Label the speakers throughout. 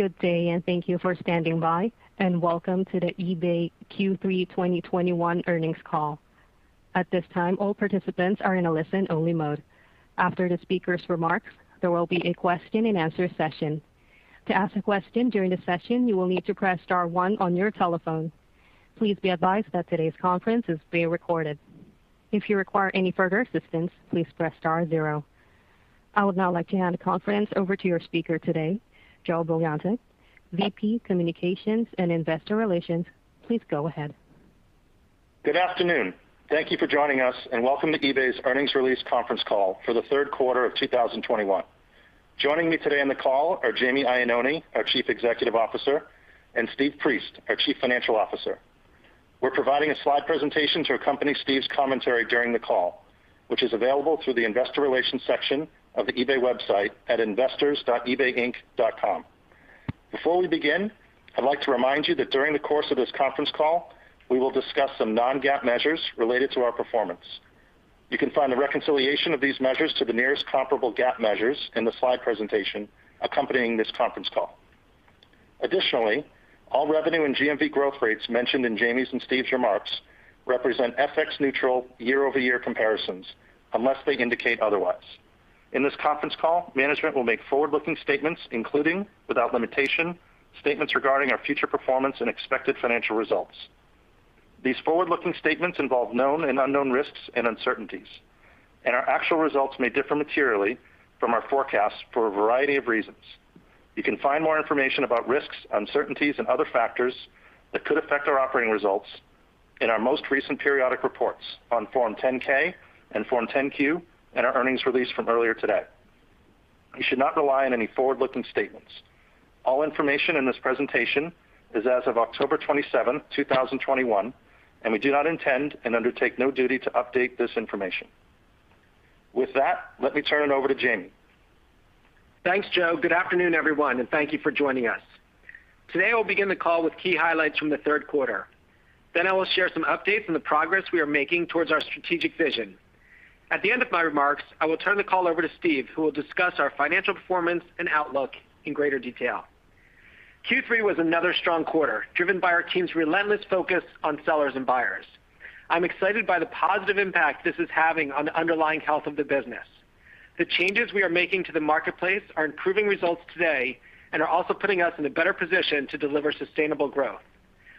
Speaker 1: Good day, and thank you for standing by, and welcome to the eBay Q3 2021 earnings call. At this time, all participants are in a listen-only mode. After the speaker's remarks, there will be a question and answer session. To ask a question during the session, you will need to press star one on your telephone. Please be advised that today's conference is being recorded. If you require any further assistance, please press star zero. I would now like to hand the conference over to your speaker today, Joe Billante, VP Communications and Investor Relations. Please go ahead.
Speaker 2: Good afternoon. Thank you for joining us, and welcome to eBay's earnings release conference call for the third quarter of 2021. Joining me today on the call are Jamie Iannone, our Chief Executive Officer, and Steve Priest, our Chief Financial Officer. We're providing a slide presentation to accompany Steve's commentary during the call, which is available through the investor relations section of the eBay website at investors.ebayinc.com. Before we begin, I'd like to remind you that during the course of this conference call, we will discuss some non-GAAP measures related to our performance. You can find the reconciliation of these measures to the nearest comparable GAAP measures in the slide presentation accompanying this conference call. Additionally, all revenue and GMV growth rates mentioned in Jamie's and Steve's remarks represent FX neutral year-over-year comparisons unless they indicate otherwise. In this conference call, management will make forward-looking statements, including, without limitation, statements regarding our future performance and expected financial results. These forward-looking statements involve known and unknown risks and uncertainties, and our actual results may differ materially from our forecasts for a variety of reasons. You can find more information about risks, uncertainties, and other factors that could affect our operating results in our most recent periodic reports on Form 10-K and Form 10-Q and our earnings release from earlier today. You should not rely on any forward-looking statements. All information in this presentation is as of October 27, 2021, and we do not intend and undertake no duty to update this information. With that, let me turn it over to Jamie.
Speaker 3: Thanks, Joe. Good afternoon, everyone, and thank you for joining us. Today I will begin the call with key highlights from the third quarter. Then I will share some updates on the progress we are making towards our strategic vision. At the end of my remarks, I will turn the call over to Steve, who will discuss our financial performance and outlook in greater detail. Q3 was another strong quarter driven by our team's relentless focus on sellers and buyers. I'm excited by the positive impact this is having on the underlying health of the business. The changes we are making to the marketplace are improving results today and are also putting us in a better position to deliver sustainable growth.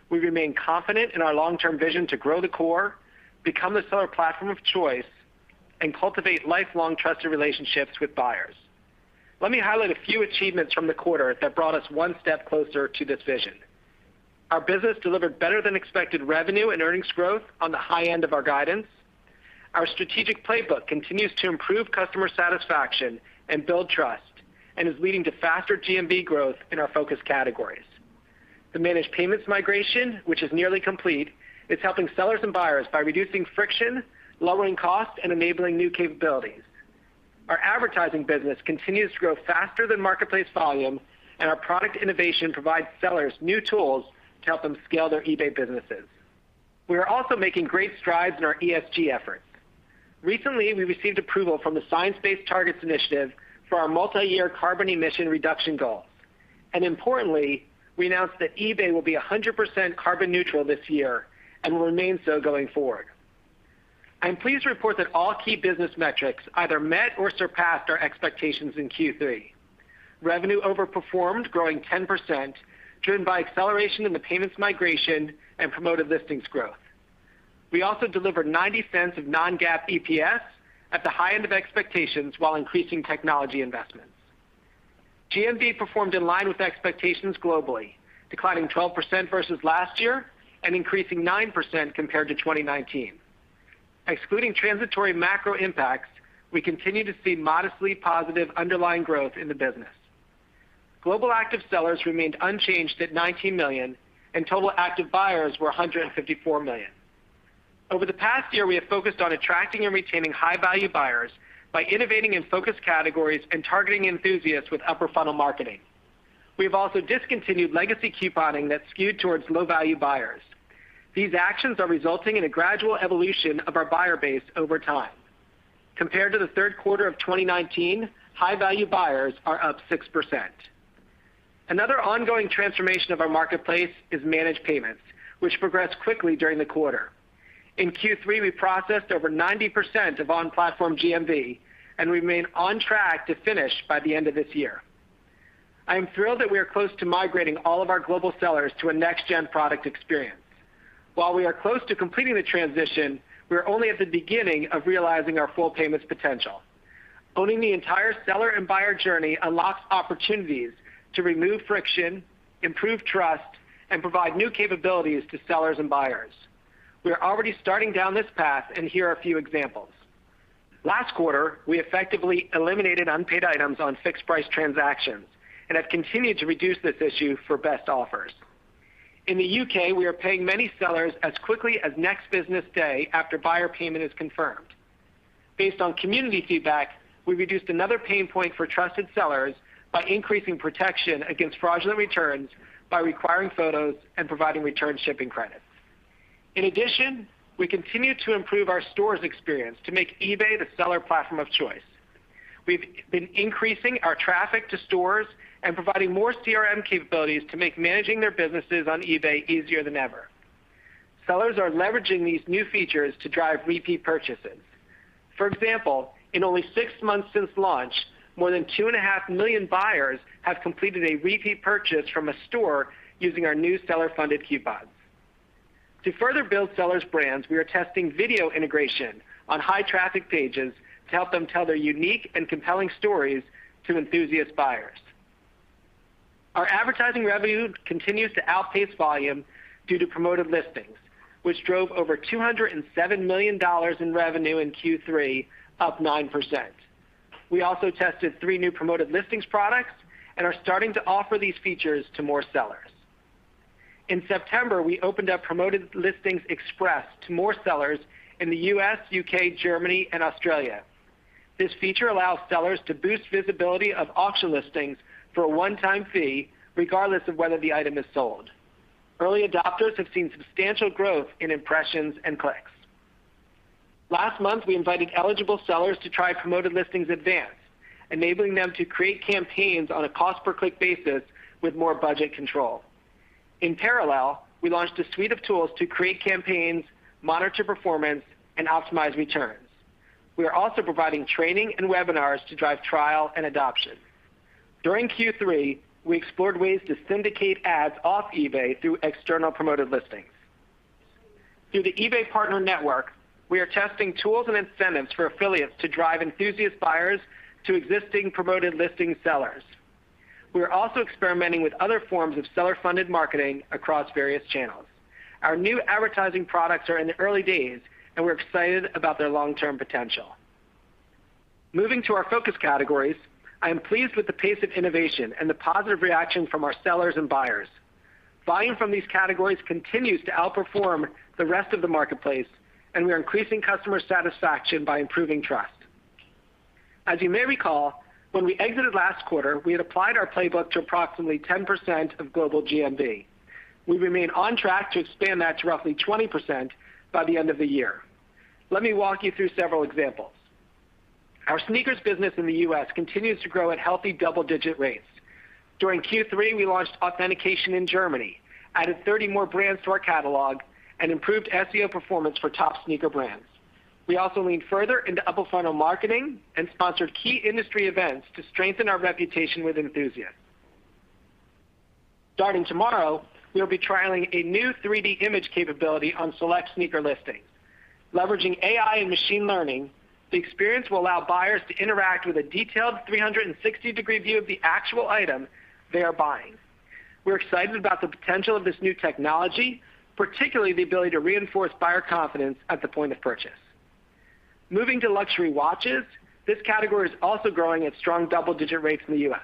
Speaker 3: We remain confident in our long-term vision to grow the core, become the seller platform of choice, and cultivate lifelong trusted relationships with buyers. Let me highlight a few achievements from the quarter that brought us one step closer to this vision. Our business delivered better than expected revenue and earnings growth on the high end of our guidance. Our strategic playbook continues to improve customer satisfaction and build trust and is leading to faster GMV growth in our focus categories. The managed payments migration, which is nearly complete, is helping sellers and buyers by reducing friction, lowering costs, and enabling new capabilities. Our advertising business continues to grow faster than marketplace volume, and our product innovation provides sellers new tools to help them scale their eBay businesses. We are also making great strides in our ESG efforts. Recently, we received approval from the Science Based Targets initiative for our multi-year carbon emission reduction goals. Importantly, we announced that eBay will be 100% carbon neutral this year and will remain so going forward. I'm pleased to report that all key business metrics either met or surpassed our expectations in Q3. Revenue overperformed, growing 10%, driven by acceleration in the payments migration and Promoted Listings growth. We also delivered $0.90 of non-GAAP EPS at the high end of expectations while increasing technology investments. GMV performed in line with expectations globally, declining 12% versus last year and increasing 9% compared to 2019. Excluding transitory macro impacts, we continue to see modestly positive underlying growth in the business. Global active sellers remained unchanged at 19 million, and total active buyers were 154 million. Over the past year, we have focused on attracting and retaining high-value buyers by innovating in focus categories and targeting enthusiasts with upper funnel marketing. We have also discontinued legacy couponing that skewed towards low-value buyers. These actions are resulting in a gradual evolution of our buyer base over time. Compared to the third quarter of 2019, high-value buyers are up 6%. Another ongoing transformation of our marketplace is managed payments, which progressed quickly during the quarter. In Q3, we processed over 90% of on-platform GMV and remain on track to finish by the end of this year. I am thrilled that we are close to migrating all of our global sellers to a next gen product experience. While we are close to completing the transition, we are only at the beginning of realizing our full payments potential. Owning the entire seller and buyer journey unlocks opportunities to remove friction, improve trust, and provide new capabilities to sellers and buyers. We are already starting down this path, and here are a few examples. Last quarter, we effectively eliminated unpaid items on fixed price transactions and have continued to reduce this issue for best offers. In the U.K., we are paying many sellers as quickly as next business day after buyer payment is confirmed. Based on community feedback, we reduced another pain point for trusted sellers by increasing protection against fraudulent returns by requiring photos and providing return shipping credit. In addition, we continue to improve our stores experience to make eBay the seller platform of choice. We've been increasing our traffic to stores and providing more CRM capabilities to make managing their businesses on eBay easier than ever. Sellers are leveraging these new features to drive repeat purchases. For example, in only six months since launch, more than 2.5 million buyers have completed a repeat purchase from a store using our new seller-funded coupons. To further build sellers' brands, we are testing video integration on high-traffic pages to help them tell their unique and compelling stories to enthusiast buyers. Our advertising revenue continues to outpace volume due to Promoted Listings, which drove over $207 million in revenue in Q3, up 9%. We also tested three new Promoted Listings products and are starting to offer these features to more sellers. In September, we opened up Promoted Listings Express to more sellers in the U.S., U.K., Germany and Australia. This feature allows sellers to boost visibility of auction listings for a one-time fee, regardless of whether the item is sold. Early adopters have seen substantial growth in impressions and clicks. Last month, we invited eligible sellers to try Promoted Listings Advanced, enabling them to create campaigns on a cost-per-click basis with more budget control. In parallel, we launched a suite of tools to create campaigns, monitor performance, and optimize returns. We are also providing training and webinars to drive trial and adoption. During Q3, we explored ways to syndicate ads off eBay through external Promoted Listings. Through the eBay Partner Network, we are testing tools and incentives for affiliates to drive enthusiast buyers to existing Promoted Listings sellers. We are also experimenting with other forms of seller-funded marketing across various channels. Our new advertising products are in the early days, and we're excited about their long-term potential. Moving to our focus categories, I am pleased with the pace of innovation and the positive reaction from our sellers and buyers. Volume from these categories continues to outperform the rest of the marketplace, and we are increasing customer satisfaction by improving trust. As you may recall, when we exited last quarter, we had applied our playbook to approximately 10% of global GMV. We remain on track to expand that to roughly 20% by the end of the year. Let me walk you through several examples. Our sneakers business in the U.S. continues to grow at healthy double-digit rates. During Q3, we launched authentication in Germany, added 30 more brands to our catalog, and improved SEO performance for top sneaker brands. We also leaned further into upper funnel marketing and sponsored key industry events to strengthen our reputation with enthusiasts. Starting tomorrow, we'll be trialing a new 3D image capability on select sneaker listings. Leveraging AI and machine learning, the experience will allow buyers to interact with a detailed 360-degree view of the actual item they are buying. We're excited about the potential of this new technology, particularly the ability to reinforce buyer confidence at the point of purchase. Moving to luxury watches, this category is also growing at strong double-digit rates in the U.S.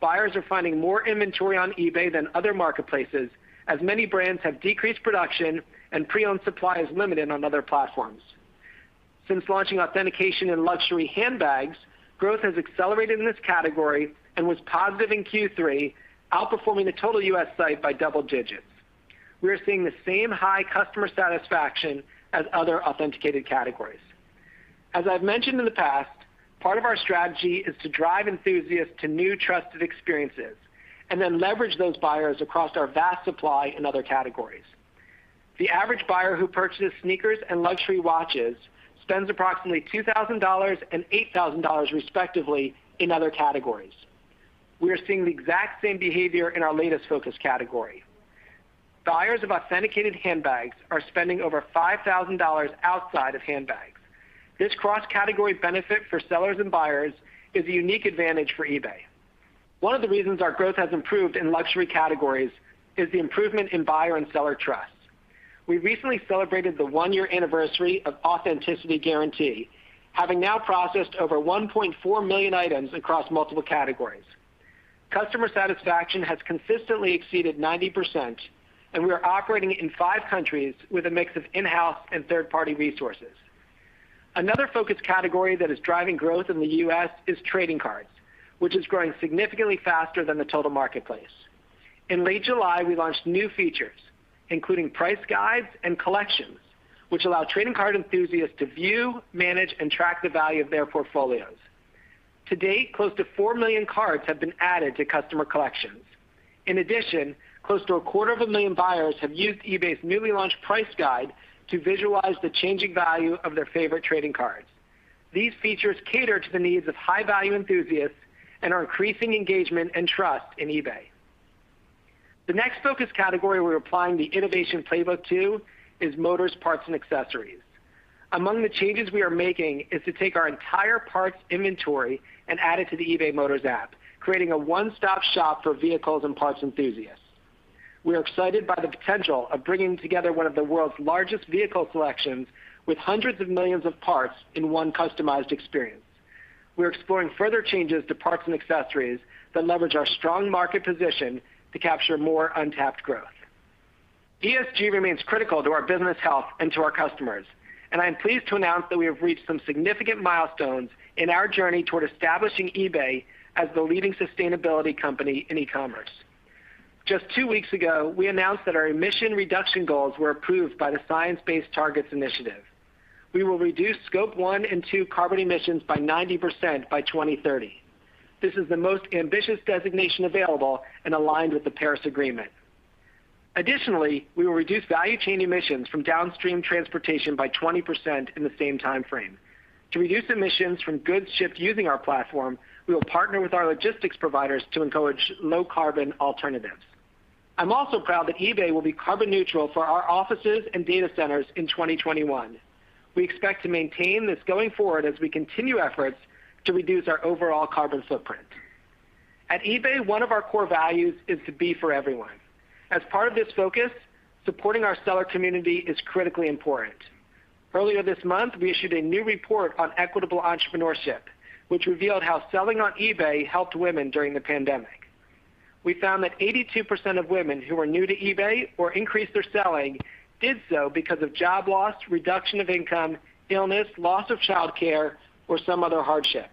Speaker 3: Buyers are finding more inventory on eBay than other marketplaces as many brands have decreased production and pre-owned supply is limited on other platforms. Since launching authentication in luxury handbags, growth has accelerated in this category and was positive in Q3, outperforming the total U.S. site by double digits. We are seeing the same high customer satisfaction as other authenticated categories. As I've mentioned in the past, part of our strategy is to drive enthusiasts to new trusted experiences and then leverage those buyers across our vast supply in other categories. The average buyer who purchases sneakers and luxury watches spends approximately $2,000 and $8,000 respectively in other categories. We are seeing the exact same behavior in our latest focus category. Buyers of authenticated handbags are spending over $5,000 outside of handbags. This cross-category benefit for sellers and buyers is a unique advantage for eBay. One of the reasons our growth has improved in luxury categories is the improvement in buyer and seller trust. We recently celebrated the one-year anniversary of Authenticity Guarantee, having now processed over 1.4 million items across multiple categories. Customer satisfaction has consistently exceeded 90%, and we are operating in five countries with a mix of in-house and third-party resources. Another focus category that is driving growth in the U.S. is trading cards, which is growing significantly faster than the total marketplace. In late July, we launched new features, including price guides and collections, which allow trading card enthusiasts to view, manage, and track the value of their portfolios. To date, close to 4 million cards have been added to customer collections. In addition, close to a quarter of a million buyers have used eBay's newly launched price guide to visualize the changing value of their favorite trading cards. These features cater to the needs of high-value enthusiasts and are increasing engagement and trust in eBay. The next focus category we're applying the innovation playbook to is motors, parts, and accessories. Among the changes we are making is to take our entire parts inventory and add it to the eBay Motors app, creating a one-stop shop for vehicles and parts enthusiasts. We are excited by the potential of bringing together one of the world's largest vehicle collections with hundreds of millions of parts in one customized experience. We're exploring further changes to parts and accessories that leverage our strong market position to capture more untapped growth. ESG remains critical to our business health and to our customers, and I am pleased to announce that we have reached some significant milestones in our journey toward establishing eBay as the leading sustainability company in e-commerce. Just two weeks ago, we announced that our emission reduction goals were approved by the Science Based Targets initiative. We will reduce Scope 1 and Scope 2 carbon emissions by 90% by 2030. This is the most ambitious designation available and aligned with the Paris Agreement. Additionally, we will reduce value chain emissions from downstream transportation by 20% in the same time frame. To reduce emissions from goods shipped using our platform, we will partner with our logistics providers to encourage low carbon alternatives. I'm also proud that eBay will be carbon neutral for our offices and data centers in 2021. We expect to maintain this going forward as we continue efforts to reduce our overall carbon footprint. At eBay, one of our core values is to be for everyone. As part of this focus, supporting our seller community is critically important. Earlier this month, we issued a new report on equitable entrepreneurship, which revealed how selling on eBay helped women during the pandemic. We found that 82% of women who are new to eBay or increased their selling did so because of job loss, reduction of income, illness, loss of childcare, or some other hardship.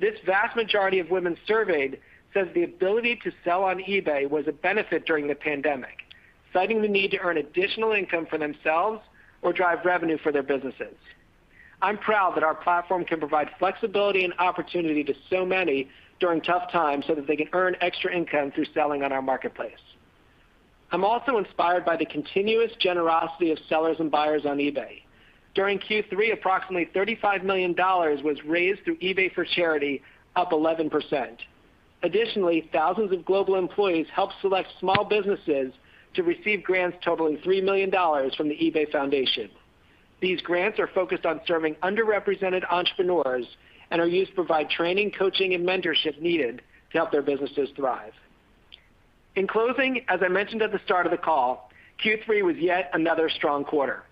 Speaker 3: This vast majority of women surveyed says the ability to sell on eBay was a benefit during the pandemic, citing the need to earn additional income for themselves or drive revenue for their businesses. I'm proud that our platform can provide flexibility and opportunity to so many during tough times so that they can earn extra income through selling on our marketplace. I'm also inspired by the continuous generosity of sellers and buyers on eBay. During Q3, approximately $35 million was raised through eBay for Charity, up 11%. Additionally, thousands of global employees helped select small businesses to receive grants totaling $3 million from the eBay Foundation. These grants are focused on serving underrepresented entrepreneurs and are used to provide training, coaching, and mentorship needed to help their businesses thrive. In closing, as I mentioned at the start of the call, Q3 was yet another strong quarter.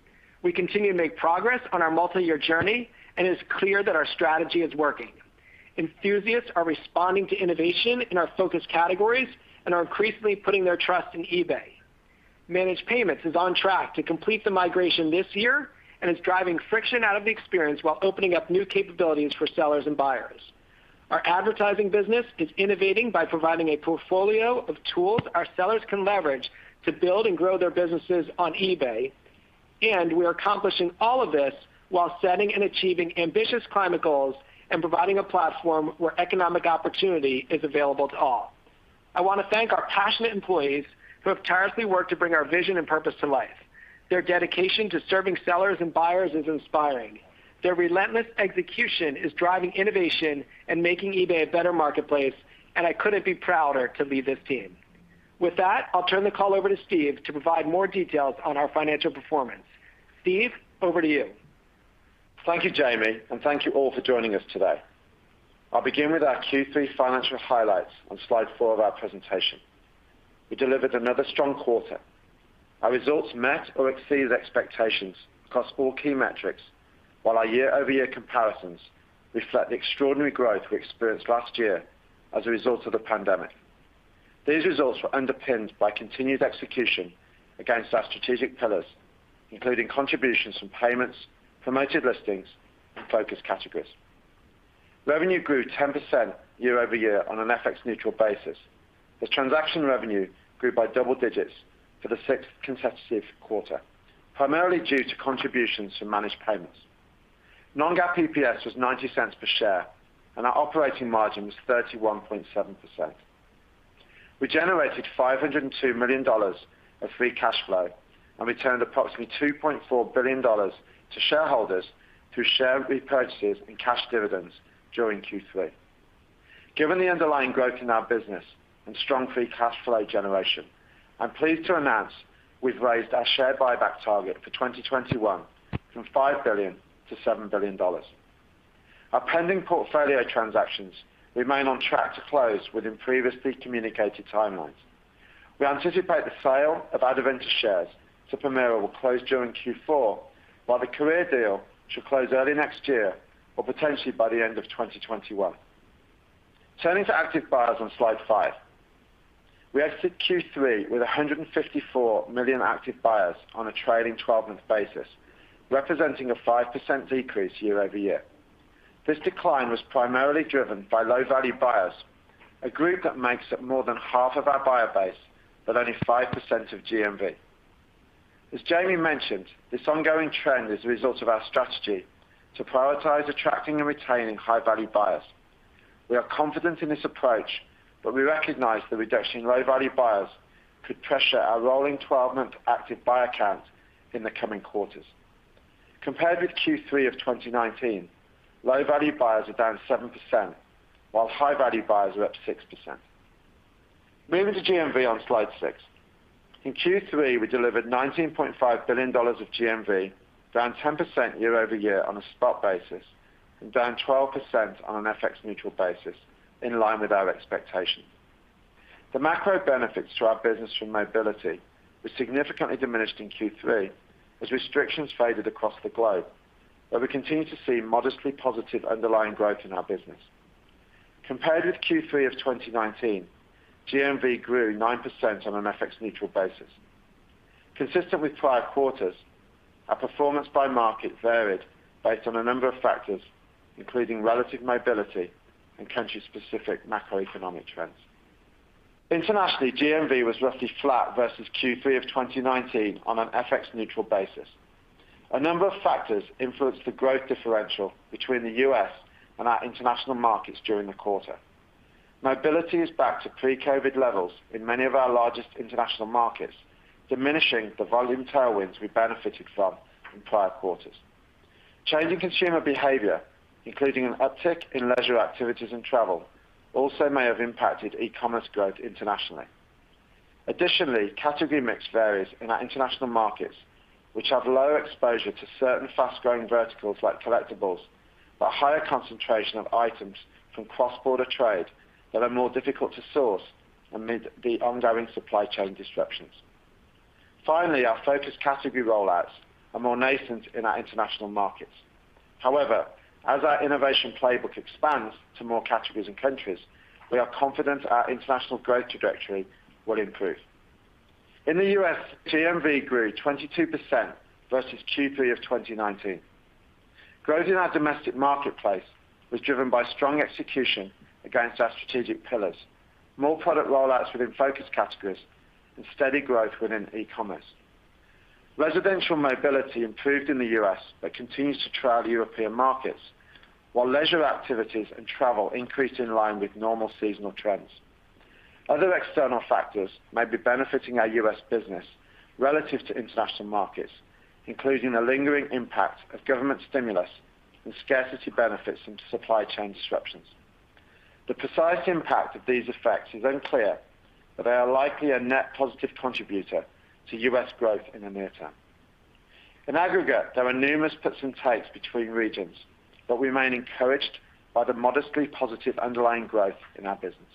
Speaker 3: We continue to make progress on our multi-year journey, and it's clear that our strategy is working. Enthusiasts are responding to innovation in our focus categories and are increasingly putting their trust in eBay. Managed payments is on track to complete the migration this year and is driving friction out of the experience while opening up new capabilities for sellers and buyers. Our advertising business is innovating by providing a portfolio of tools our sellers can leverage to build and grow their businesses on eBay. We are accomplishing all of this while setting and achieving ambitious climate goals and providing a platform where economic opportunity is available to all. I wanna thank our passionate employees who have tirelessly worked to bring our vision and purpose to life. Their dedication to serving sellers and buyers is inspiring. Their relentless execution is driving innovation and making eBay a better marketplace, and I couldn't be prouder to lead this team. With that, I'll turn the call over to Steve to provide more details on our financial performance. Steve, over to you.
Speaker 4: Thank you, Jamie, and thank you all for joining us today. I'll begin with our Q3 financial highlights on slide four of our presentation. We delivered another strong quarter. Our results met or exceeded expectations across all key metrics, while our year-over-year comparisons reflect the extraordinary growth we experienced last year as a result of the pandemic. These results were underpinned by continued execution against our strategic pillars, including contributions from payments, Promoted Listings, and focus categories. Revenue grew 10% year-over-year on an FX neutral basis, as transaction revenue grew by double digits for the sixth consecutive quarter, primarily due to contributions to managed payments. Non-GAAP EPS was $0.90 per share, and our operating margin was 31.7%. We generated $502 million of free cash flow, and returned approximately $2.4 billion to shareholders through share repurchases and cash dividends during Q3. Given the underlying growth in our business and strong free cash flow generation, I'm pleased to announce we've raised our share buyback target for 2021 from $5 billion-$7 billion. Our pending portfolio transactions remain on track to close within previously communicated timelines. We anticipate the sale of our venture shares to Permira will close during Q4, while the Korea deal should close early next year or potentially by the end of 2021. Turning to active buyers on slide five. We exited Q3 with 154 million active buyers on a trailing twelve-month basis, representing a 5% decrease year-over-year. This decline was primarily driven by low-value buyers, a group that makes up more than half of our buyer base, but only 5% of GMV. As Jamie mentioned, this ongoing trend is a result of our strategy to prioritize attracting and retaining high-value buyers. We are confident in this approach, but we recognize the reduction in low-value buyers could pressure our rolling 12-month active buyer count in the coming quarters. Compared with Q3 of 2019, low-value buyers are down 7%, while high-value buyers are up 6%. Moving to GMV on slide six. In Q3, we delivered $19.5 billion of GMV, down 10% year-over-year on a spot basis, and down 12% on an FX neutral basis, in line with our expectations. The macro benefits to our business from mobility was significantly diminished in Q3 as restrictions faded across the globe, but we continue to see modestly positive underlying growth in our business. Compared with Q3 of 2019, GMV grew 9% on an FX neutral basis. Consistent with prior quarters, our performance by market varied based on a number of factors, including relative mobility and country-specific macroeconomic trends. Internationally, GMV was roughly flat versus Q3 of 2019 on an FX neutral basis. A number of factors influenced the growth differential between the U.S. and our international markets during the quarter. Mobility is back to pre-COVID levels in many of our largest international markets, diminishing the volume tailwinds we benefited from in prior quarters. Changing consumer behavior, including an uptick in leisure activities and travel, also may have impacted e-commerce growth internationally. Additionally, category mix varies in our international markets, which have lower exposure to certain fast-growing verticals like collectibles, but higher concentration of items from cross-border trade that are more difficult to source amid the ongoing supply chain disruptions. Finally, our focus category rollouts are more nascent in our international markets. However, as our innovation playbook expands to more categories and countries, we are confident our international growth trajectory will improve. In the U.S., GMV grew 22% versus Q3 of 2019. Growth in our domestic marketplace was driven by strong execution against our strategic pillars, more product rollouts within focus categories, and steady growth within e-commerce. Residential mobility improved in the U.S. but continues to trail European markets, while leisure activities and travel increased in line with normal seasonal trends. Other external factors may be benefiting our U.S. business relative to international markets, including the lingering impact of government stimulus and scarcity benefits from supply chain disruptions. The precise impact of these effects is unclear, but they are likely a net positive contributor to U.S. growth in the near term. In aggregate, there are numerous puts and takes between regions, but we remain encouraged by the modestly positive underlying growth in our business.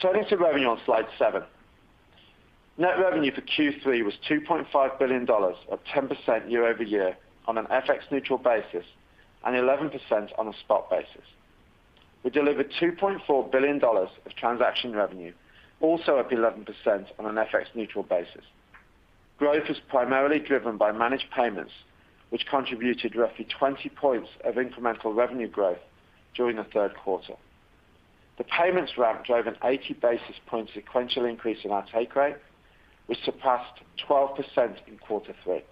Speaker 4: Turning to revenue on slide seven. Net revenue for Q3 was $2.5 billion or 10% year-over-year on an FX neutral basis, and 11% on a spot basis. We delivered $2.4 billion of transaction revenue, also up 11% on an FX neutral basis. Growth is primarily driven by managed payments, which contributed roughly 20 points of incremental revenue growth during the third quarter. The payments ramp drove an 80 basis point sequential increase in our take rate, which surpassed 12% in quarter three.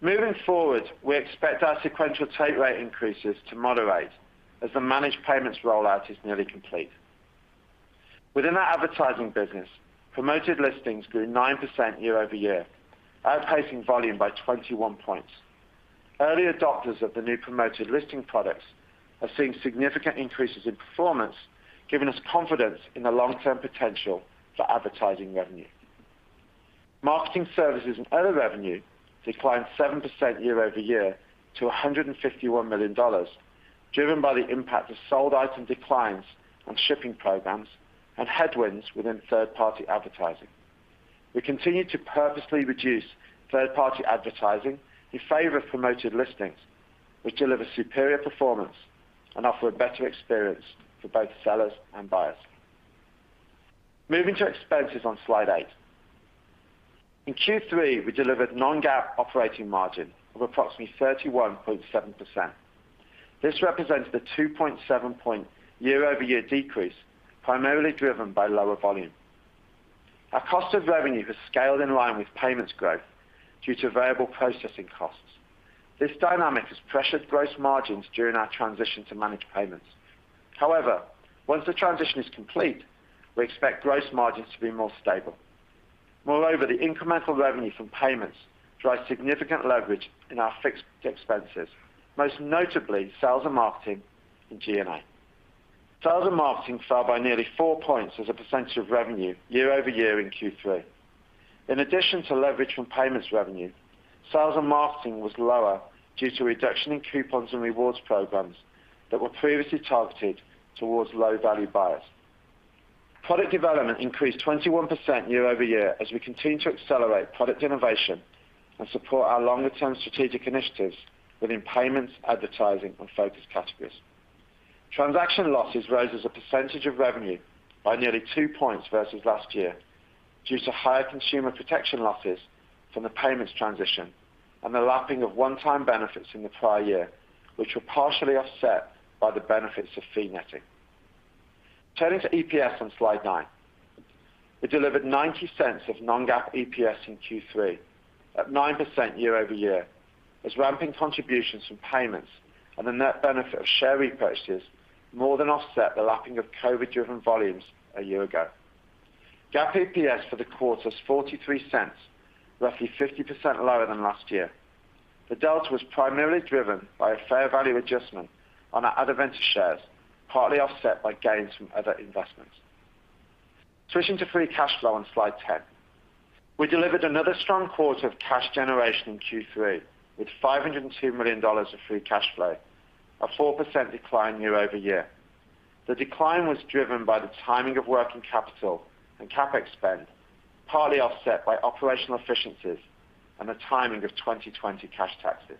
Speaker 4: Moving forward, we expect our sequential take rate increases to moderate as the managed payments rollout is nearly complete. Within our advertising business, Promoted Listings grew 9% year-over-year, outpacing volume by 21 points. Early adopters of the new Promoted Listings products have seen significant increases in performance, giving us confidence in the long-term potential for advertising revenue. Marketing services and other revenue declined 7% year-over-year to $151 million, driven by the impact of sold item declines on shipping programs and headwinds within third-party advertising. We continue to purposely reduce third-party advertising in favor of Promoted Listings, which deliver superior performance and offer a better experience for both sellers and buyers. Moving to expenses on slide eight. In Q3, we delivered non-GAAP operating margin of approximately 31.7%. This represents the 2.7-point year-over-year decrease, primarily driven by lower volume. Our cost of revenue has scaled in line with payments growth due to variable processing costs. This dynamic has pressured gross margins during our transition to managed payments. However, once the transition is complete, we expect gross margins to be more stable. Moreover, the incremental revenue from payments drives significant leverage in our fixed expenses, most notably sales and marketing in G&A. Sales and marketing fell by nearly 4 points as a percentage of revenue year-over-year in Q3. In addition to leverage from payments revenue, sales and marketing was lower due to a reduction in coupons and rewards programs that were previously targeted towards low-value buyers. Product development increased 21% year-over-year as we continue to accelerate product innovation and support our longer term strategic initiatives within payments, advertising, and focus categories. Transaction losses rose as a percentage of revenue by nearly 2 points versus last year due to higher consumer protection losses from the payments transition and the lapping of one-time benefits in the prior year, which were partially offset by the benefits of fee netting. Turning to EPS on slide nine. We delivered $0.90 of non-GAAP EPS in Q3 at 9% year-over-year as ramping contributions from payments and the net benefit of share repurchases more than offset the lapping of COVID driven volumes a year ago. GAAP EPS for the quarter was $0.43, roughly 50% lower than last year. The delta was primarily driven by a fair value adjustment on our other venture shares, partly offset by gains from other investments. Switching to free cash flow on slide 10. We delivered another strong quarter of cash generation in Q3 with $502 million of free cash flow, a 4% decline year-over-year. The decline was driven by the timing of working capital and CapEx spend, partly offset by operational efficiencies and the timing of 2020 cash taxes.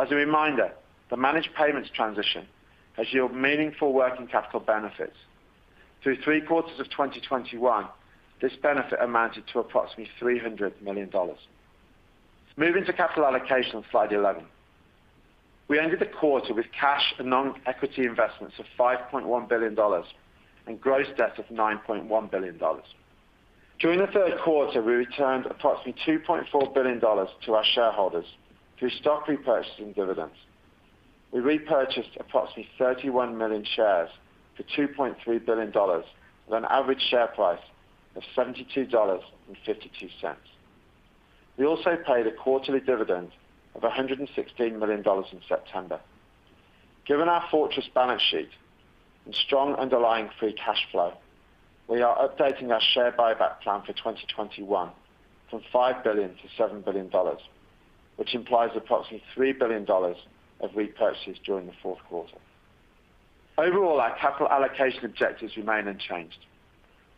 Speaker 4: As a reminder, the managed payments transition has yielded meaningful working capital benefits. Through three quarters of 2021, this benefit amounted to approximately $300 million. Moving to capital allocation, slide 11. We ended the quarter with cash and non-equity investments of $5.1 billion and gross debt of $9.1 billion. During the third quarter, we returned approximately $2.4 billion to our shareholders through stock repurchase and dividends. We repurchased approximately 31 million shares for $2.3 billion with an average share price of $72.52. We also paid a quarterly dividend of $116 million in September. Given our fortress balance sheet and strong underlying free cash flow, we are updating our share buyback plan for 2021 from $5 billion-$7 billion, which implies approximately $3 billion of repurchases during the fourth quarter. Overall, our capital allocation objectives remain unchanged.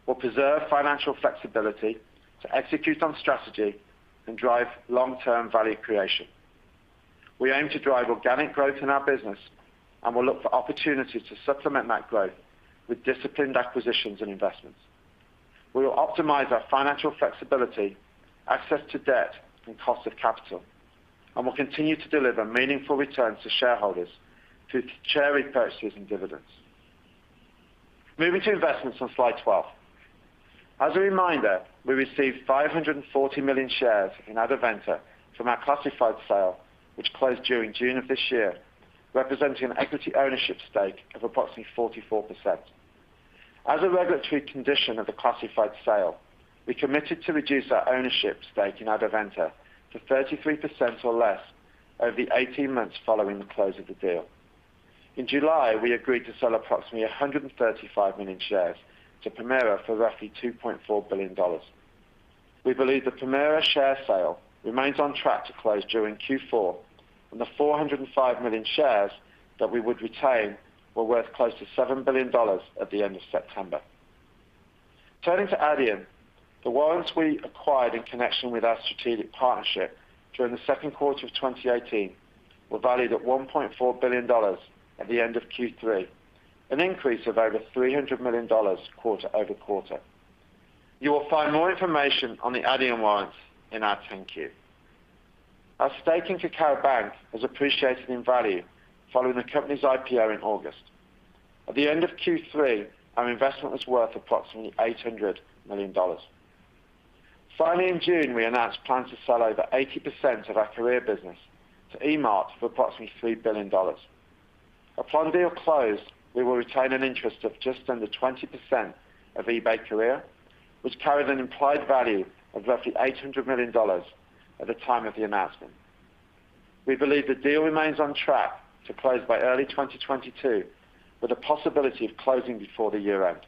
Speaker 4: We'll preserve financial flexibility to execute on strategy and drive long-term value creation. We aim to drive organic growth in our business, and we'll look for opportunities to supplement that growth with disciplined acquisitions and investments. We will optimize our financial flexibility, access to debt, and cost of capital, and will continue to deliver meaningful returns to shareholders through share repurchases and dividends. Moving to investments on slide 12. As a reminder, we received 540 million shares in Adevinta from our classified sale, which closed during June of this year, representing an equity ownership stake of approximately 44%. As a regulatory condition of the classified sale, we committed to reduce our ownership stake in Adevinta to 33% or less over the 18 months following the close of the deal. In July, we agreed to sell approximately 135 million shares to Permira for roughly $2.4 billion. We believe the Permira share sale remains on track to close during Q4, and the 405 million shares that we would retain were worth close to $7 billion at the end of September. Turning to Adyen, the warrants we acquired in connection with our strategic partnership during the second quarter of 2018 were valued at $1.4 billion at the end of Q3, an increase of over $300 million quarter over quarter. You will find more information on the Adyen warrants in our 10-Q. Our stake in Kakao Bank has appreciated in value following the company's IPO in August. At the end of Q3, our investment was worth approximately $800 million. Finally, in June, we announced plans to sell over 80% of our Korea business to Emart for approximately $3 billion. Upon deal close, we will retain an interest of just under 20% of eBay Korea, which carried an implied value of roughly $800 million at the time of the announcement. We believe the deal remains on track to close by early 2022, with the possibility of closing before the year end.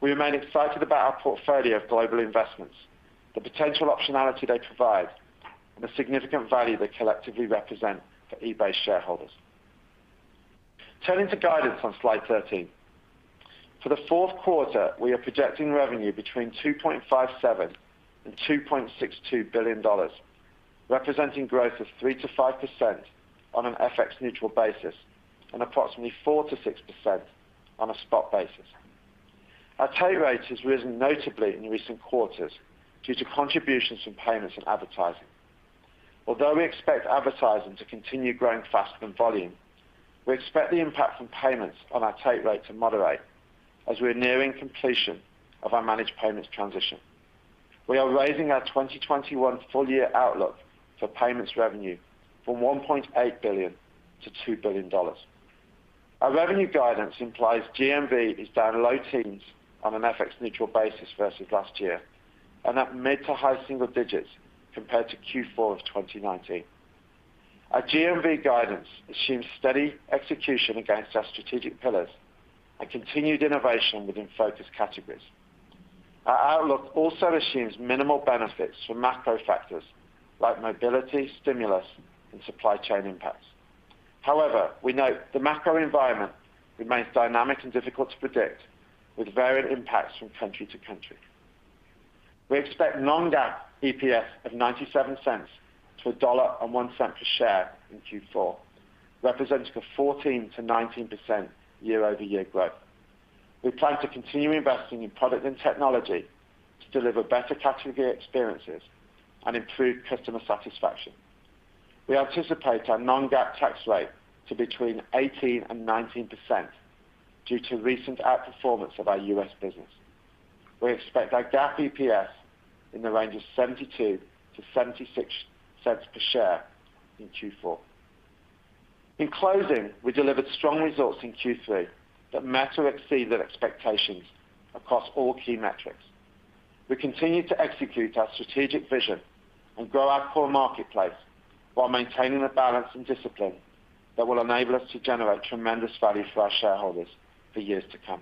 Speaker 4: We remain excited about our portfolio of global investments, the potential optionality they provide, and the significant value they collectively represent for eBay shareholders. Turning to guidance on slide 13. For the fourth quarter, we are projecting revenue between $2.57 billion and $2.62 billion, representing growth of 3%-5% on an FX neutral basis and approximately 4%-6% on a spot basis. Our take rate has risen notably in recent quarters due to contributions from payments and advertising. Although we expect advertising to continue growing faster than volume, we expect the impact from payments on our take rate to moderate as we're nearing completion of our managed payments transition. We are raising our 2021 full year outlook for payments revenue from $1.8 billion to $2 billion. Our revenue guidance implies GMV is down low teens on an FX neutral basis versus last year, and at mid to high single digits compared to Q4 of 2019. Our GMV guidance assumes steady execution against our strategic pillars and continued innovation within focus categories. Our outlook also assumes minimal benefits from macro factors like mobility, stimulus, and supply chain impacts. However, we note the macro environment remains dynamic and difficult to predict, with varied impacts from country to country. We expect non-GAAP EPS of $0.97-$1.01 per share in Q4, representing 14%-19% year-over-year growth. We plan to continue investing in product and technology to deliver better category experiences and improve customer satisfaction. We anticipate our non-GAAP tax rate to between 18% and 19% due to recent outperformance of our U.S. business. We expect our GAAP EPS in the range of $0.72-$0.76 per share in Q4. In closing, we delivered strong results in Q3 that met or exceeded expectations across all key metrics. We continue to execute our strategic vision and grow our core marketplace while maintaining the balance and discipline that will enable us to generate tremendous value for our shareholders for years to come.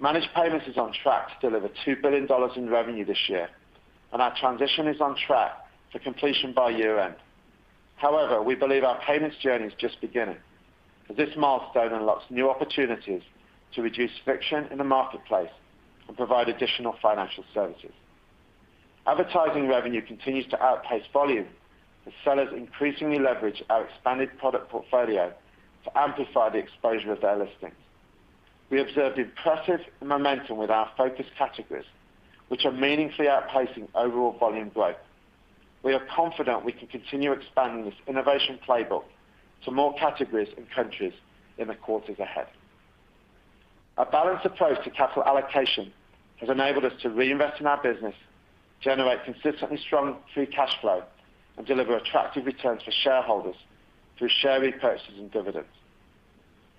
Speaker 4: Managed payments is on track to deliver $2 billion in revenue this year, and our transition is on track for completion by year-end. However, we believe our payments journey is just beginning, as this milestone unlocks new opportunities to reduce friction in the marketplace and provide additional financial services. Advertising revenue continues to outpace volume as sellers increasingly leverage our expanded product portfolio to amplify the exposure of their listings. We observed impressive momentum with our focus categories, which are meaningfully outpacing overall volume growth. We are confident we can continue expanding this innovation playbook to more categories and countries in the quarters ahead. A balanced approach to capital allocation has enabled us to reinvest in our business, generate consistently strong free cash flow, and deliver attractive returns for shareholders through share repurchases and dividends.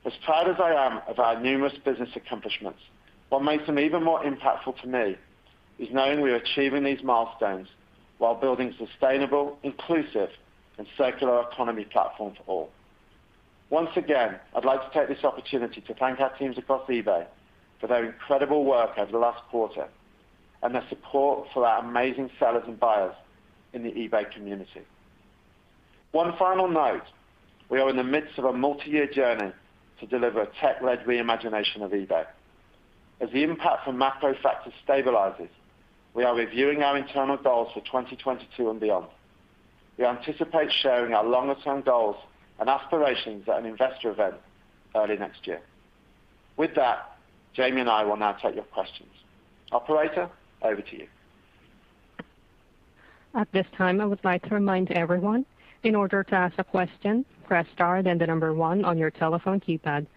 Speaker 4: As proud as I am of our numerous business accomplishments, what makes them even more impactful to me is knowing we are achieving these milestones while building sustainable, inclusive and circular economy platform for all. Once again, I'd like to take this opportunity to thank our teams across eBay for their incredible work over the last quarter and their support for our amazing sellers and buyers in the eBay community. One final note, we are in the midst of a multi-year journey to deliver a tech-led reimagination of eBay. As the impact from macro factors stabilizes, we are reviewing our internal goals for 2022 and beyond. We anticipate sharing our longer-term goals and aspirations at an investor event early next year. With that, Jamie and I will now take your questions. Operator, over to you.
Speaker 1: At this time, I would like to remind everyone, in order to ask a question, press star then the number one on your telephone keypad.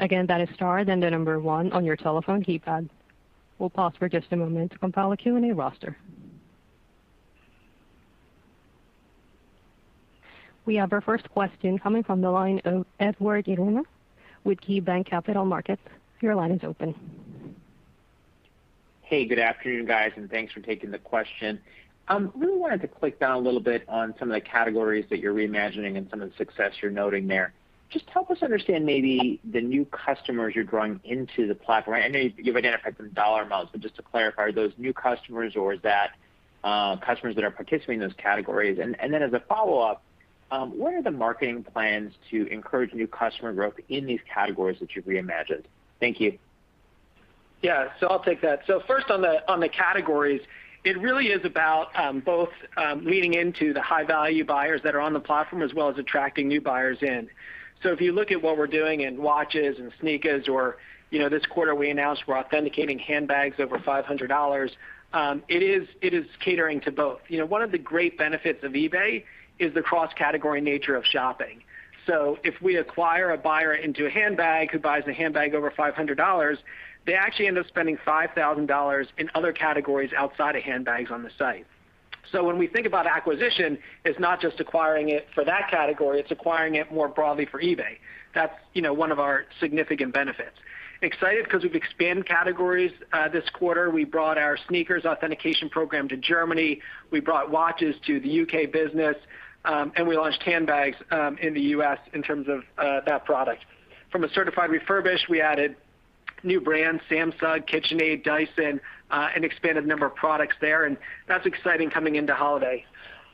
Speaker 1: Again, that is star then the number one on your telephone keypad. We'll pause for just a moment to compile a Q&A roster. We have our first question coming from the line of Edward Yruma with KeyBanc Capital Markets. Your line is open.
Speaker 5: Hey, good afternoon, guys, and thanks for taking the question. Really wanted to click down a little bit on some of the categories that you're reimagining and some of the success you're noting there. Just help us understand maybe the new customers you're drawing into the platform. I know you've identified some dollar amounts, but just to clarify, are those new customers or is that, customers that are participating in those categories? And then as a follow-up, what are the marketing plans to encourage new customer growth in these categories that you've reimagined? Thank you.
Speaker 3: Yeah. I'll take that. First on the categories, it really is about both leaning into the high-value buyers that are on the platform as well as attracting new buyers in. If you look at what we're doing in watches and sneakers or, you know, this quarter we announced we're authenticating handbags over $500, it is catering to both. You know, one of the great benefits of eBay is the cross-category nature of shopping. If we acquire a buyer into a handbag who buys a handbag over $500, they actually end up spending $5,000 in other categories outside of handbags on the site. When we think about acquisition, it's not just acquiring it for that category, it's acquiring it more broadly for eBay. That's, you know, one of our significant benefits. Excited 'cause we've expanded categories this quarter. We brought our sneakers authentication program to Germany. We brought watches to the U.K. business, and we launched handbags in the U.S. in terms of that product. From Certified Refurbished, we added new brands, Samsung, KitchenAid, Dyson, and expanded the number of products there, and that's exciting coming into holiday.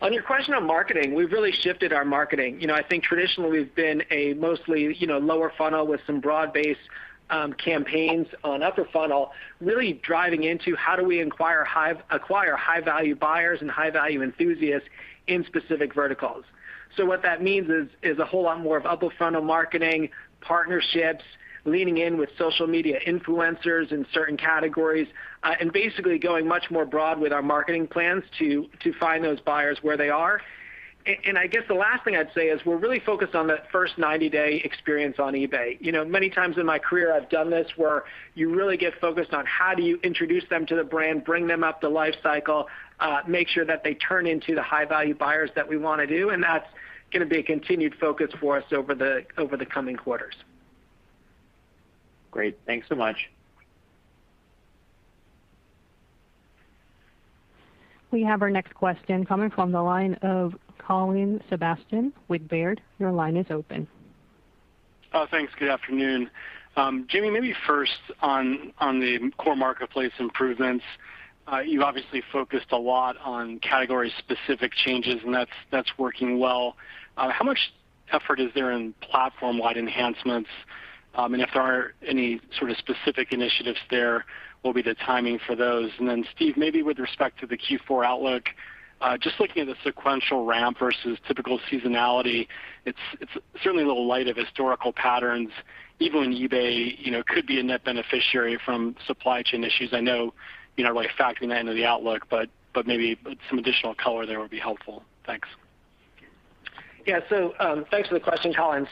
Speaker 3: On your question on marketing, we've really shifted our marketing. You know, I think traditionally we've been a mostly lower funnel with some broad-based campaigns on upper funnel, really driving into how do we acquire high-value buyers and high-value enthusiasts in specific verticals. What that means is a whole lot more of upper funnel marketing, partnerships, leaning in with social media influencers in certain categories, and basically going much more broad with our marketing plans to find those buyers where they are. And I guess the last thing I'd say is we're really focused on that first 90-day experience on eBay. You know, many times in my career I've done this, where you really get focused on how do you introduce them to the brand, bring them up the life cycle, make sure that they turn into the high-value buyers that we wanna do, and that's gonna be a continued focus for us over the coming quarters.
Speaker 5: Great. Thanks so much.
Speaker 1: We have our next question coming from the line of Colin Sebastian with Baird. Your line is open.
Speaker 6: Oh, thanks. Good afternoon. Jamie, maybe first on the core marketplace improvements. You've obviously focused a lot on category-specific changes, and that's working well. How much effort is there in platform-wide enhancements? And if there are any sort of specific initiatives there, what will be the timing for those? Then Steve, maybe with respect to the Q4 outlook, just looking at the sequential ramp versus typical seasonality, it's certainly a little light on historical patterns, even when eBay, you know, could be a net beneficiary from supply chain issues. I know you're not really factoring that into the outlook, but maybe some additional color there would be helpful. Thanks.
Speaker 3: Yeah. Thanks for the question, Colin.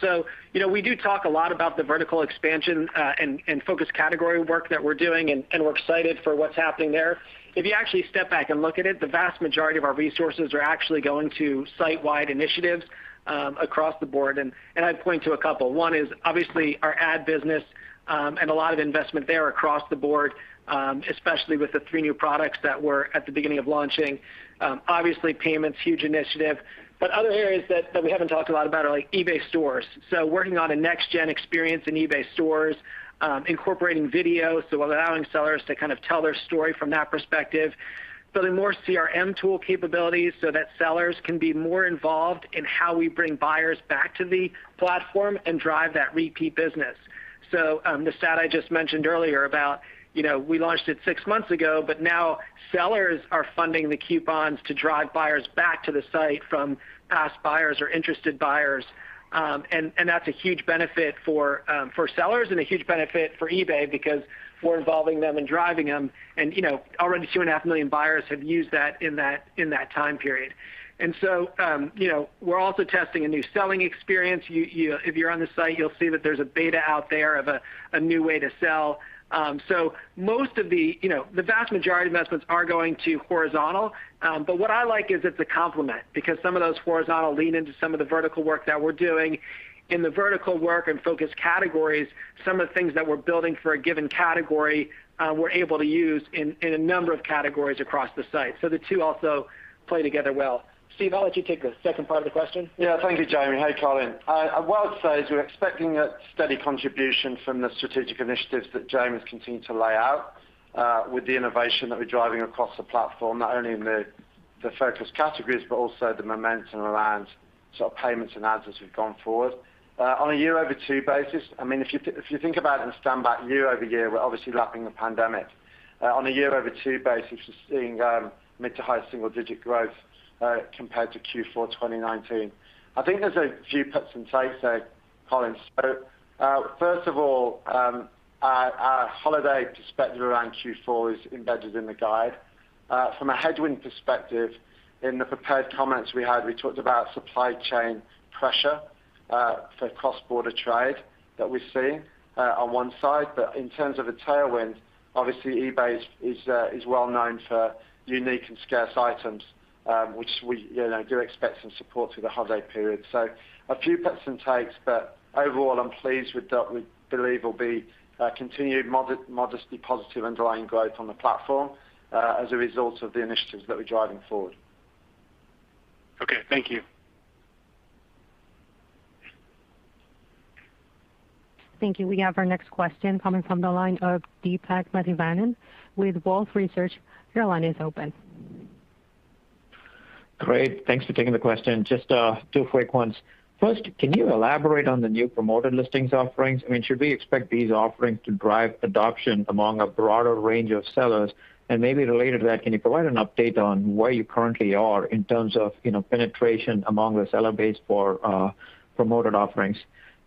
Speaker 3: You know, we do talk a lot about the vertical expansion and focus category work that we're doing, and we're excited for what's happening there. If you actually step back and look at it, the vast majority of our resources are actually going to site-wide initiatives across the board. I'd point to a couple. One is obviously our ad business and a lot of investment there across the board, especially with the three new products that we're at the beginning of launching. Obviously payments, huge initiative. Other areas that we haven't talked a lot about are like eBay stores. Working on a next gen experience in eBay stores, incorporating video, so allowing sellers to kind of tell their story from that perspective. Building more CRM tool capabilities so that sellers can be more involved in how we bring buyers back to the platform and drive that repeat business. The stat I just mentioned earlier about, you know, we launched it six months ago, but now sellers are funding the coupons to drive buyers back to the site from past buyers or interested buyers. That's a huge benefit for sellers and a huge benefit for eBay because we're involving them and driving them. You know, already 2.5 million buyers have used that in that time period. You know, we're also testing a new selling experience. If you're on the site, you'll see that there's a beta out there of a new way to sell. Most of the, you know, the vast majority of investments are going to horizontal. What I like is it's a complement because some of those horizontal lean into some of the vertical work that we're doing. In the vertical work and focus categories, some of the things that we're building for a given category, we're able to use in a number of categories across the site. The two also play together well. Steve, I'll let you take the second part of the question.
Speaker 4: Yeah. Thank you, Jamie. Hey, Colin. What I'd say is we're expecting a steady contribution from the strategic initiatives that Jamie's continued to lay out, with the innovation that we're driving across the platform, not only in the focus categories, but also the momentum around sort of payments and ads as we've gone forward. On a year-over-two basis, I mean, if you think about and stand back year-over-year, we're obviously lapping the pandemic. On a year-over-two basis, we're seeing mid to high-single-digit growth, compared to Q4 2019. I think there's a few puts and takes there, Colin. First of all, our holiday perspective around Q4 is embedded in the guide. From a headwind perspective, in the prepared comments we had, we talked about supply chain pressure for cross-border trade that we're seeing on one side. In terms of a tailwind, obviously eBay is well known for unique and scarce items, which we, you know, do expect some support through the holiday period. A few puts and takes, but overall, I'm pleased with that we believe will be continued modestly positive underlying growth on the platform as a result of the initiatives that we're driving forward.
Speaker 6: Okay. Thank you.
Speaker 1: Thank you. We have our next question coming from the line of Deepak Mathivanan with Wolfe Research. Your line is open.
Speaker 7: Great. Thanks for taking the question. Just, two quick ones. First, can you elaborate on the new Promoted Listings offerings? I mean, should we expect these offerings to drive adoption among a broader range of sellers? And maybe related to that, can you provide an update on where you currently are in terms of, you know, penetration among the seller base for promoted offerings?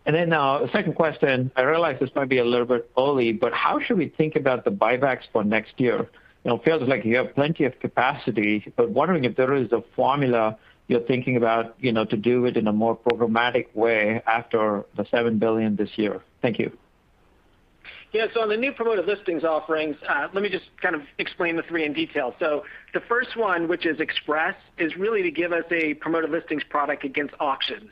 Speaker 7: And then, the second question, I realize this might be a little bit early, but how should we think about the buybacks for next year? You know, it feels like you have plenty of capacity, but wondering if there is a formula you're thinking about, you know, to do it in a more programmatic way after the $7 billion this year. Thank you.
Speaker 3: Yeah. On the new Promoted Listings offerings, let me just kind of explain the three in detail. The first one, which is Express, is really to give us a Promoted Listings product against auction.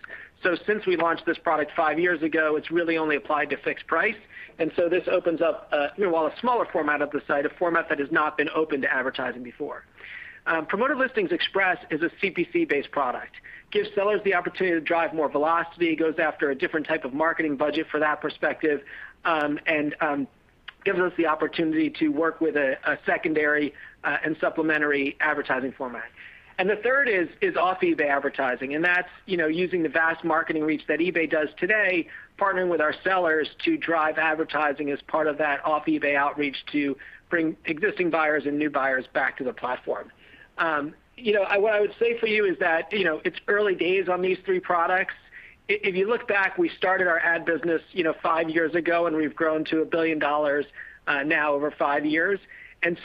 Speaker 3: Since we launched this product five years ago, it's really only applied to fixed price. This opens up, you know, well, a smaller format of the site, a format that has not been open to advertising before. Promoted Listings Express is a CPC-based product. Gives sellers the opportunity to drive more velocity, goes after a different type of marketing budget from that perspective, and gives us the opportunity to work with a secondary and supplementary advertising format. The third is off-eBay advertising, and that's, you know, using the vast marketing reach that eBay does today, partnering with our sellers to drive advertising as part of that off-eBay outreach to bring existing buyers and new buyers back to the platform. You know, what I would say for you is that, you know, it's early days on these three products. If you look back, we started our ad business, you know, five years ago, and we've grown to $1 billion now over five years.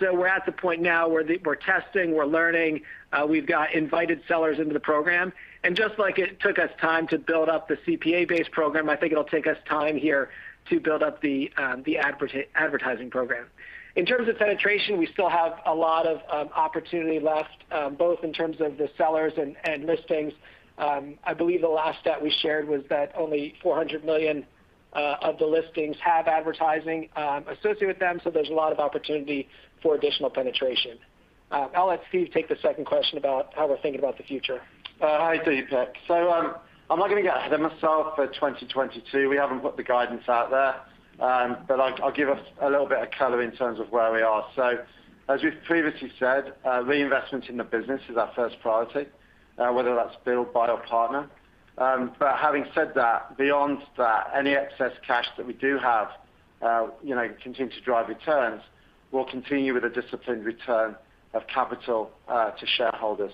Speaker 3: We're at the point now where we're testing, we're learning, we've got invited sellers into the program. Just like it took us time to build up the CPA-based program, I think it'll take us time here to build up the advertising program. In terms of penetration, we still have a lot of opportunity left, both in terms of the sellers and listings. I believe the last stat we shared was that only 400 million of the listings have advertising associated with them. There's a lot of opportunity for additional penetration. I'll let Steve take the second question about how we're thinking about the future.
Speaker 4: Hi, Deepak. I'm not gonna get ahead of myself for 2022. We haven't put the guidance out there. I'll give a little bit of color in terms of where we are. As we've previously said, reinvestment in the business is our first priority, whether that's build, buy or partner. Having said that, beyond that, any excess cash that we do have, you know, continue to drive returns, we'll continue with a disciplined return of capital to shareholders.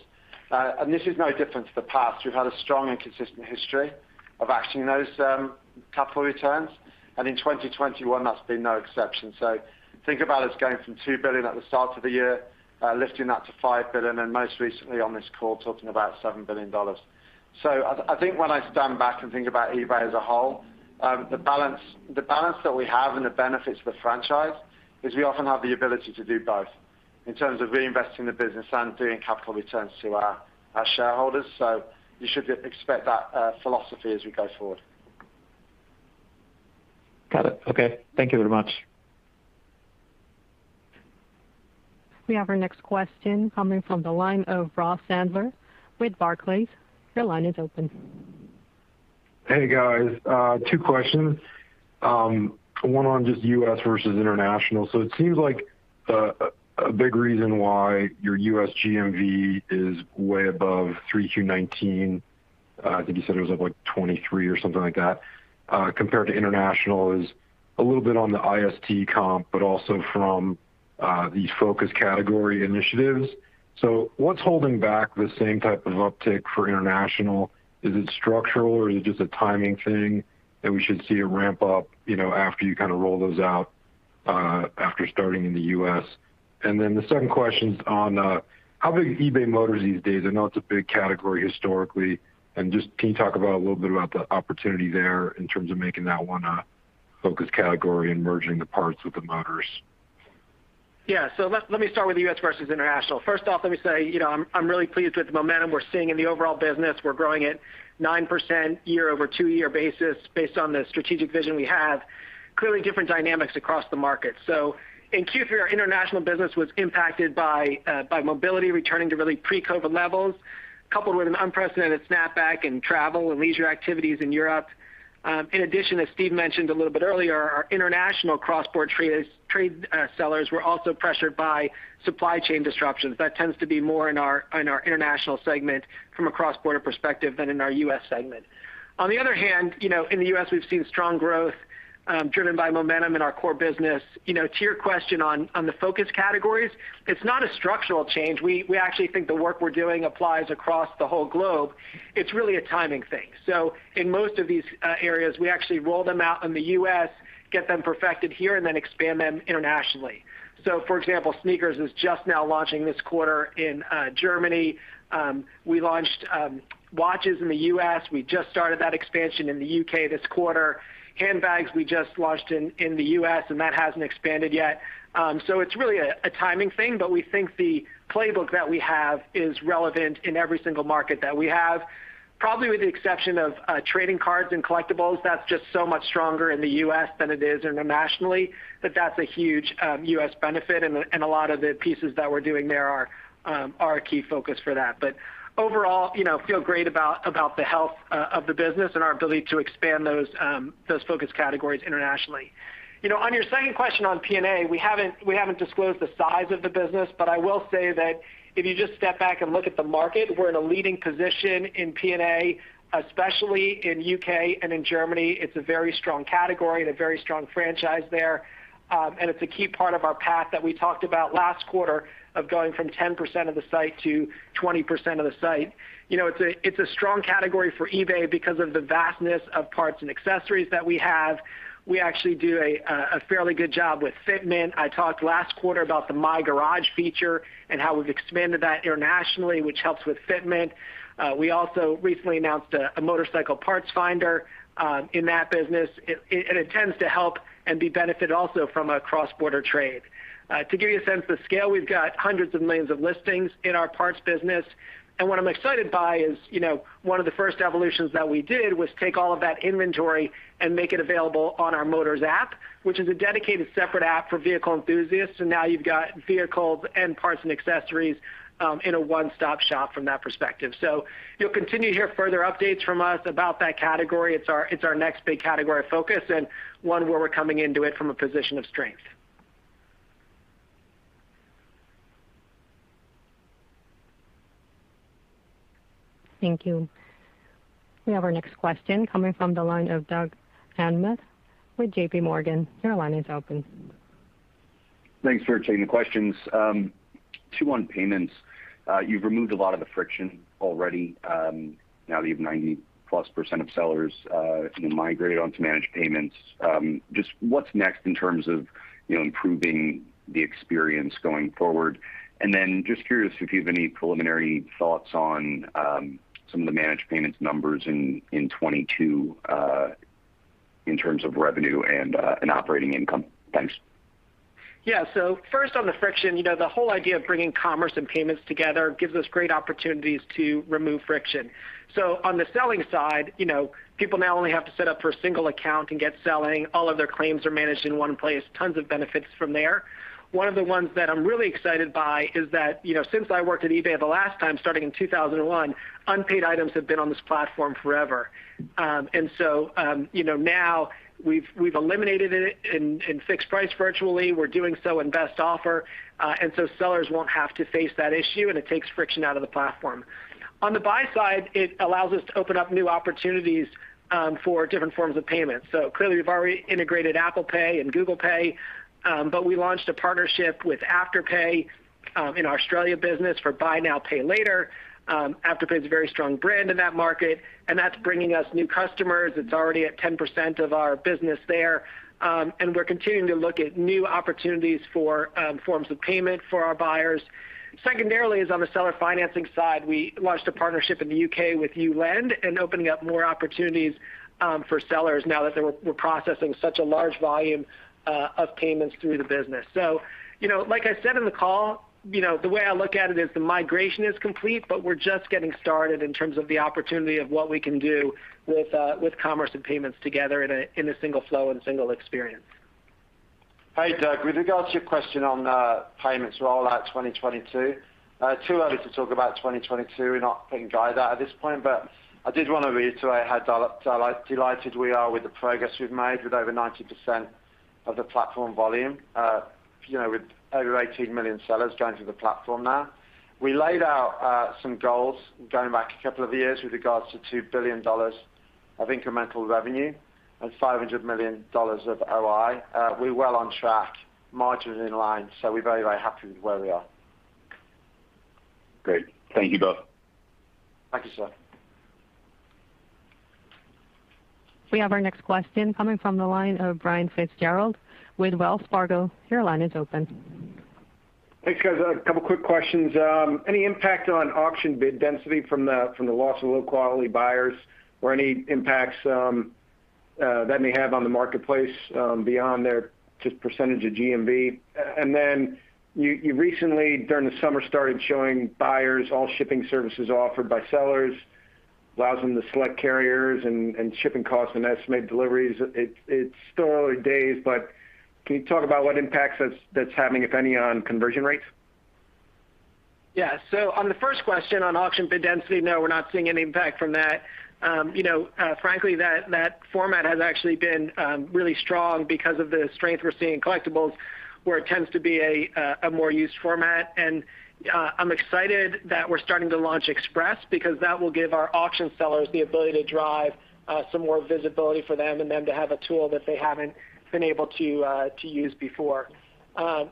Speaker 4: This is no different to the past. We've had a strong and consistent history of actioning those capital returns. In 2021, that's been no exception. Think about us going from $2 billion at the start of the year, lifting that to $5 billion, and most recently on this call, talking about $7 billion. I think when I stand back and think about eBay as a whole, the balance that we have and the benefits of the franchise is we often have the ability to do both in terms of reinvesting the business and doing capital returns to our shareholders. You should expect that philosophy as we go forward.
Speaker 7: Got it. Okay. Thank you very much.
Speaker 1: We have our next question coming from the line of Ross Sandler with Barclays. Your line is open.
Speaker 8: Hey, guys. Two questions. One on just U.S. versus international. It seems like a big reason why your U.S. GMV is way above 3Q 2019. I think you said it was up like 23 or something like that, compared to international, it's a little bit on the comp, but also from the focus category initiatives. What's holding back the same type of uptick for international? Is it structural or is it just a timing thing that we should see a ramp up, you know, after you kind of roll those out after starting in the U.S.? The second question's on how big is eBay Motors these days? I know it's a big category historically. Just can you talk a little bit about the opportunity there in terms of making that one a focus category and merging the parts with the motors.
Speaker 3: Let me start with the U.S. versus international. First off, let me say, you know, I'm really pleased with the momentum we're seeing in the overall business. We're growing at 9% year-over-year basis based on the strategic vision we have. Clearly different dynamics across the market. In Q3, our international business was impacted by mobility returning to really pre-COVID levels, coupled with an unprecedented snapback in travel and leisure activities in Europe. In addition, as Steve mentioned a little bit earlier, our international cross-border trade sellers were also pressured by supply chain disruptions. That tends to be more in our international segment from a cross-border perspective than in our U.S. segment. On the other hand, you know, in the U.S., we've seen strong growth driven by momentum in our core business. You know, to your question on the focus categories, it's not a structural change. We actually think the work we're doing applies across the whole globe. It's really a timing thing. In most of these areas, we actually roll them out in the U.S., get them perfected here, and then expand them internationally. For example, sneakers is just now launching this quarter in Germany. We launched watches in the U.S. We just started that expansion in the U.K. this quarter. Handbags, we just launched in the U.S., and that hasn't expanded yet. It's really a timing thing, but we think the playbook that we have is relevant in every single market that we have, probably with the exception of trading cards and collectibles. That's just so much stronger in the U.S. than it is internationally. That's a huge U.S. benefit, and a lot of the pieces that we're doing there are a key focus for that. Overall, you know, I feel great about the health of the business and our ability to expand those focus categories internationally. You know, on your second question on P&A, we haven't disclosed the size of the business, but I will say that if you just step back and look at the market, we're in a leading position in P&A, especially in U.K. and in Germany. It's a very strong category and a very strong franchise there, and it's a key part of our path that we talked about last quarter of going from 10% of the site to 20% of the site. You know, it's a strong category for eBay because of the vastness of parts and accessories that we have. We actually do a fairly good job with fitment. I talked last quarter about the My Garage feature and how we've expanded that internationally, which helps with fitment. We also recently announced a motorcycle parts finder in that business. It tends to help and be benefited also from cross-border trade. To give you a sense of the scale, we've got hundreds of millions of listings in our parts business. What I'm excited by is, you know, one of the first evolutions that we did was take all of that inventory and make it available on our Motors app, which is a dedicated separate app for vehicle enthusiasts. Now you've got vehicles and parts and accessories in a one-stop shop from that perspective. You'll continue to hear further updates from us about that category. It's our next big category of focus and one where we're coming into it from a position of strength.
Speaker 1: Thank you. We have our next question coming from the line of Doug Anmuth with JPMorgan. Your line is open.
Speaker 9: Thanks for taking the questions. Two on payments. You've removed a lot of the friction already, now that you have 90%+ of sellers, you know, migrated onto Managed Payments. Just what's next in terms of, you know, improving the experience going forward? And then just curious if you have any preliminary thoughts on, some of the Managed Payments numbers in 2022, in terms of revenue and operating income. Thanks.
Speaker 3: Yeah. First on the friction, you know, the whole idea of bringing commerce and payments together gives us great opportunities to remove friction. On the selling side, you know, people now only have to set up for a single account and get selling. All of their claims are managed in one place, tons of benefits from there. One of the ones that I'm really excited by is that, you know, since I worked at eBay the last time starting in 2001, unpaid items have been on this platform forever. You know, now we've eliminated it in fixed-price virtually. We're doing so in Best Offer. Sellers won't have to face that issue, and it takes friction out of the platform. On the buy side, it allows us to open up new opportunities for different forms of payment. Clearly we've already integrated Apple Pay and Google Pay, but we launched a partnership with Afterpay in our Australia business for buy now, pay later. Afterpay is a very strong brand in that market, and that's bringing us new customers. It's already at 10% of our business there. We're continuing to look at new opportunities for forms of payment for our buyers. Secondarily is on the seller financing side. We launched a partnership in the U.K. with YouLend, opening up more opportunities for sellers now that we're processing such a large volume of payments through the business. You know, like I said in the call, you know, the way I look at it is the migration is complete, but we're just getting started in terms of the opportunity of what we can do with with commerce and payments together in a in a single flow and single experience.
Speaker 4: Hey, Doug. With regards to your question on payments rollout 2022, too early to talk about 2022. We're not thinking either at this point, but I did want to reiterate how delighted we are with the progress we've made with over 90%. Of the platform volume, you know, with over 18 million sellers going through the platform now. We laid out some goals going back a couple of years with regards to $2 billion of incremental revenue and $500 million of OI. We're well on track, margin's in line, so we're very, very happy with where we are.
Speaker 9: Great. Thank you both.
Speaker 3: Thank you, sir.
Speaker 1: We have our next question coming from the line of Brian Fitzgerald with Wells Fargo. Your line is open.
Speaker 10: Thanks, guys. A couple of quick questions. Any impact on auction bid density from the loss of low-quality buyers or any impacts that may have on the marketplace beyond just their percentage of GMV? You recently during the summer started showing buyers all shipping services offered by sellers, allows them to select carriers and shipping costs and estimate deliveries. It's still early days, but can you talk about what impacts that's having, if any, on conversion rates?
Speaker 3: On the first question on auction bid density, no, we're not seeing any impact from that. You know, frankly, that format has actually been really strong because of the strength we're seeing in collectibles where it tends to be a more used format. I'm excited that we're starting to launch Express because that will give our auction sellers the ability to drive some more visibility for them and them to have a tool that they haven't been able to use before.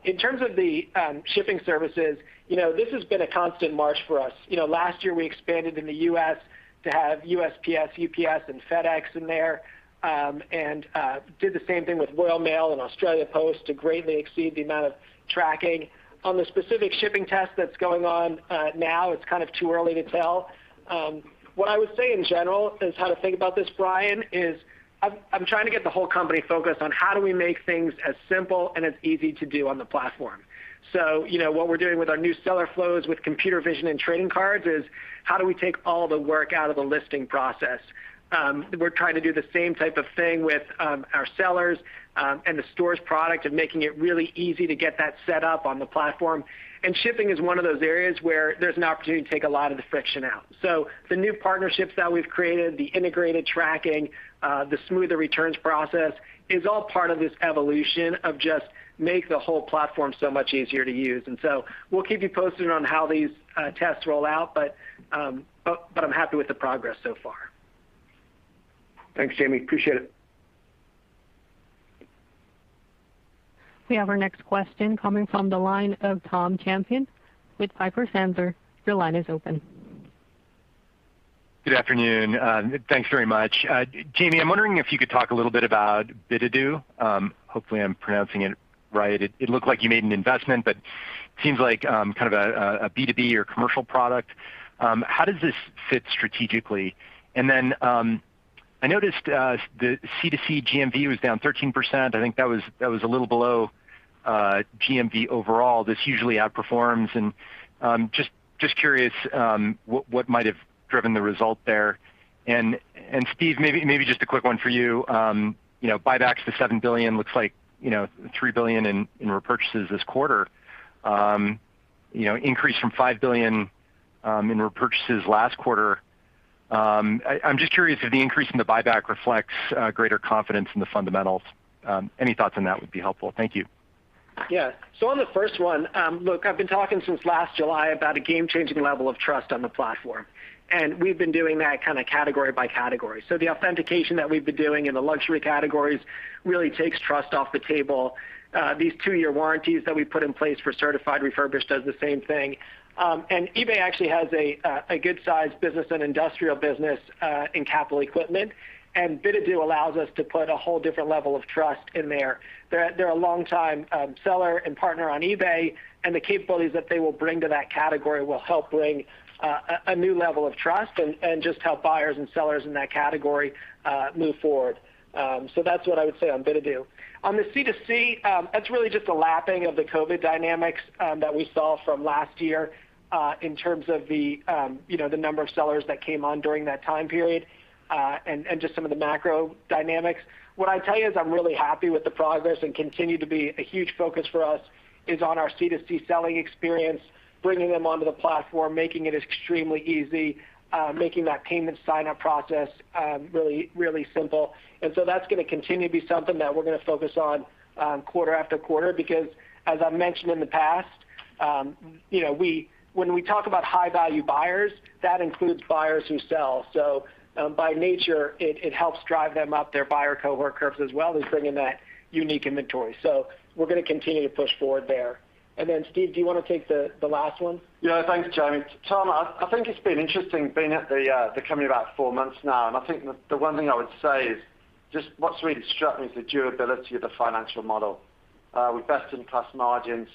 Speaker 3: In terms of the shipping services, you know, this has been a constant march for us. You know, last year we expanded in the U.S. to have USPS, UPS and FedEx in there, and did the same thing with Royal Mail and Australia Post to greatly exceed the amount of tracking. On the specific shipping test that's going on now, it's kind of too early to tell. What I would say in general is how to think about this, Brian, is I'm trying to get the whole company focused on how do we make things as simple and as easy to do on the platform. You know, what we're doing with our new seller flows with computer vision and trading cards is how do we take all the work out of the listing process. We're trying to do the same type of thing with our sellers and the stores product and making it really easy to get that set up on the platform. Shipping is one of those areas where there's an opportunity to take a lot of the friction out. The new partnerships that we've created, the integrated tracking, the smoother returns process is all part of this evolution of just make the whole platform so much easier to use. We'll keep you posted on how these tests roll out. I'm happy with the progress so far.
Speaker 10: Thanks, Jamie. Appreciate it.
Speaker 1: We have our next question coming from the line of Tom Champion with Piper Sandler. Your line is open.
Speaker 11: Good afternoon. Thanks very much. Jamie, I'm wondering if you could talk a little bit about bidadoo. Hopefully, I'm pronouncing it right. It looked like you made an investment, but seems like kind of a B2B or commercial product. How does this fit strategically? I noticed the C2C GMV was down 13%. I think that was a little below GMV overall. This usually outperforms and just curious what might have driven the result there. Steve, maybe just a quick one for you. You know, buybacks to $7 billion looks like $3 billion in repurchases this quarter, you know, increase from $5 billion in repurchases last quarter. I'm just curious if the increase in the buyback reflects greater confidence in the fundamentals. Any thoughts on that would be helpful. Thank you.
Speaker 3: Yeah. On the first one, look, I've been talking since last July about a game-changing level of trust on the platform, and we've been doing that kind of category by category. The authentication that we've been doing in the luxury categories really takes trust off the table. These two-year warranties that we put in place for Certified Refurbished does the same thing. eBay actually has a good sized business and industrial business in capital equipment. Bidadoo allows us to put a whole different level of trust in there. They're a longtime seller and partner on eBay, and the capabilities that they will bring to that category will help bring a new level of trust and just help buyers and sellers in that category move forward. That's what I would say on Bidadoo. On the C2C, that's really just a lapping of the COVID dynamics that we saw from last year, in terms of the, you know, the number of sellers that came on during that time period, and just some of the macro dynamics. What I'd tell you is I'm really happy with the progress and continue to be a huge focus for us is on our C2C selling experience, bringing them onto the platform, making it extremely easy, making that payment sign up process, really, really simple. That's gonna continue to be something that we're gonna focus on, quarter after quarter because as I've mentioned in the past, you know, when we talk about high value buyers, that includes buyers who sell. By nature, it helps drive them up their buyer cohort curves as well as bringing that unique inventory. We're gonna continue to push forward there. Steve, do you wanna take the last one?
Speaker 4: Yeah. Thanks, Jamie. Tom, I think it's been interesting being at the company about four months now. I think the one thing I would say is just what's really struck me is the durability of the financial model with best-in-class margins,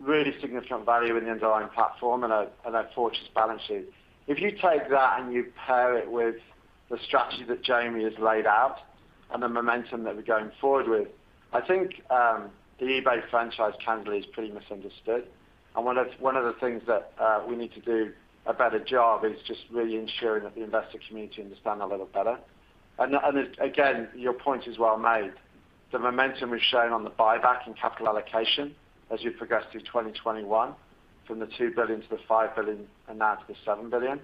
Speaker 4: really significant value in the underlying platform and a fortress balance sheet. If you take that and you pair it with the strategy that Jamie has laid out and the momentum that we're going forward with, I think the eBay franchise candidly is pretty misunderstood. One of the things that we need to do a better job is just really ensuring that the investor community understand a little better. Again, your point is well made. The momentum we've shown on the buyback and capital allocation as we progress through 2021 from the $2 billion to the $5 billion and now to the $7 billion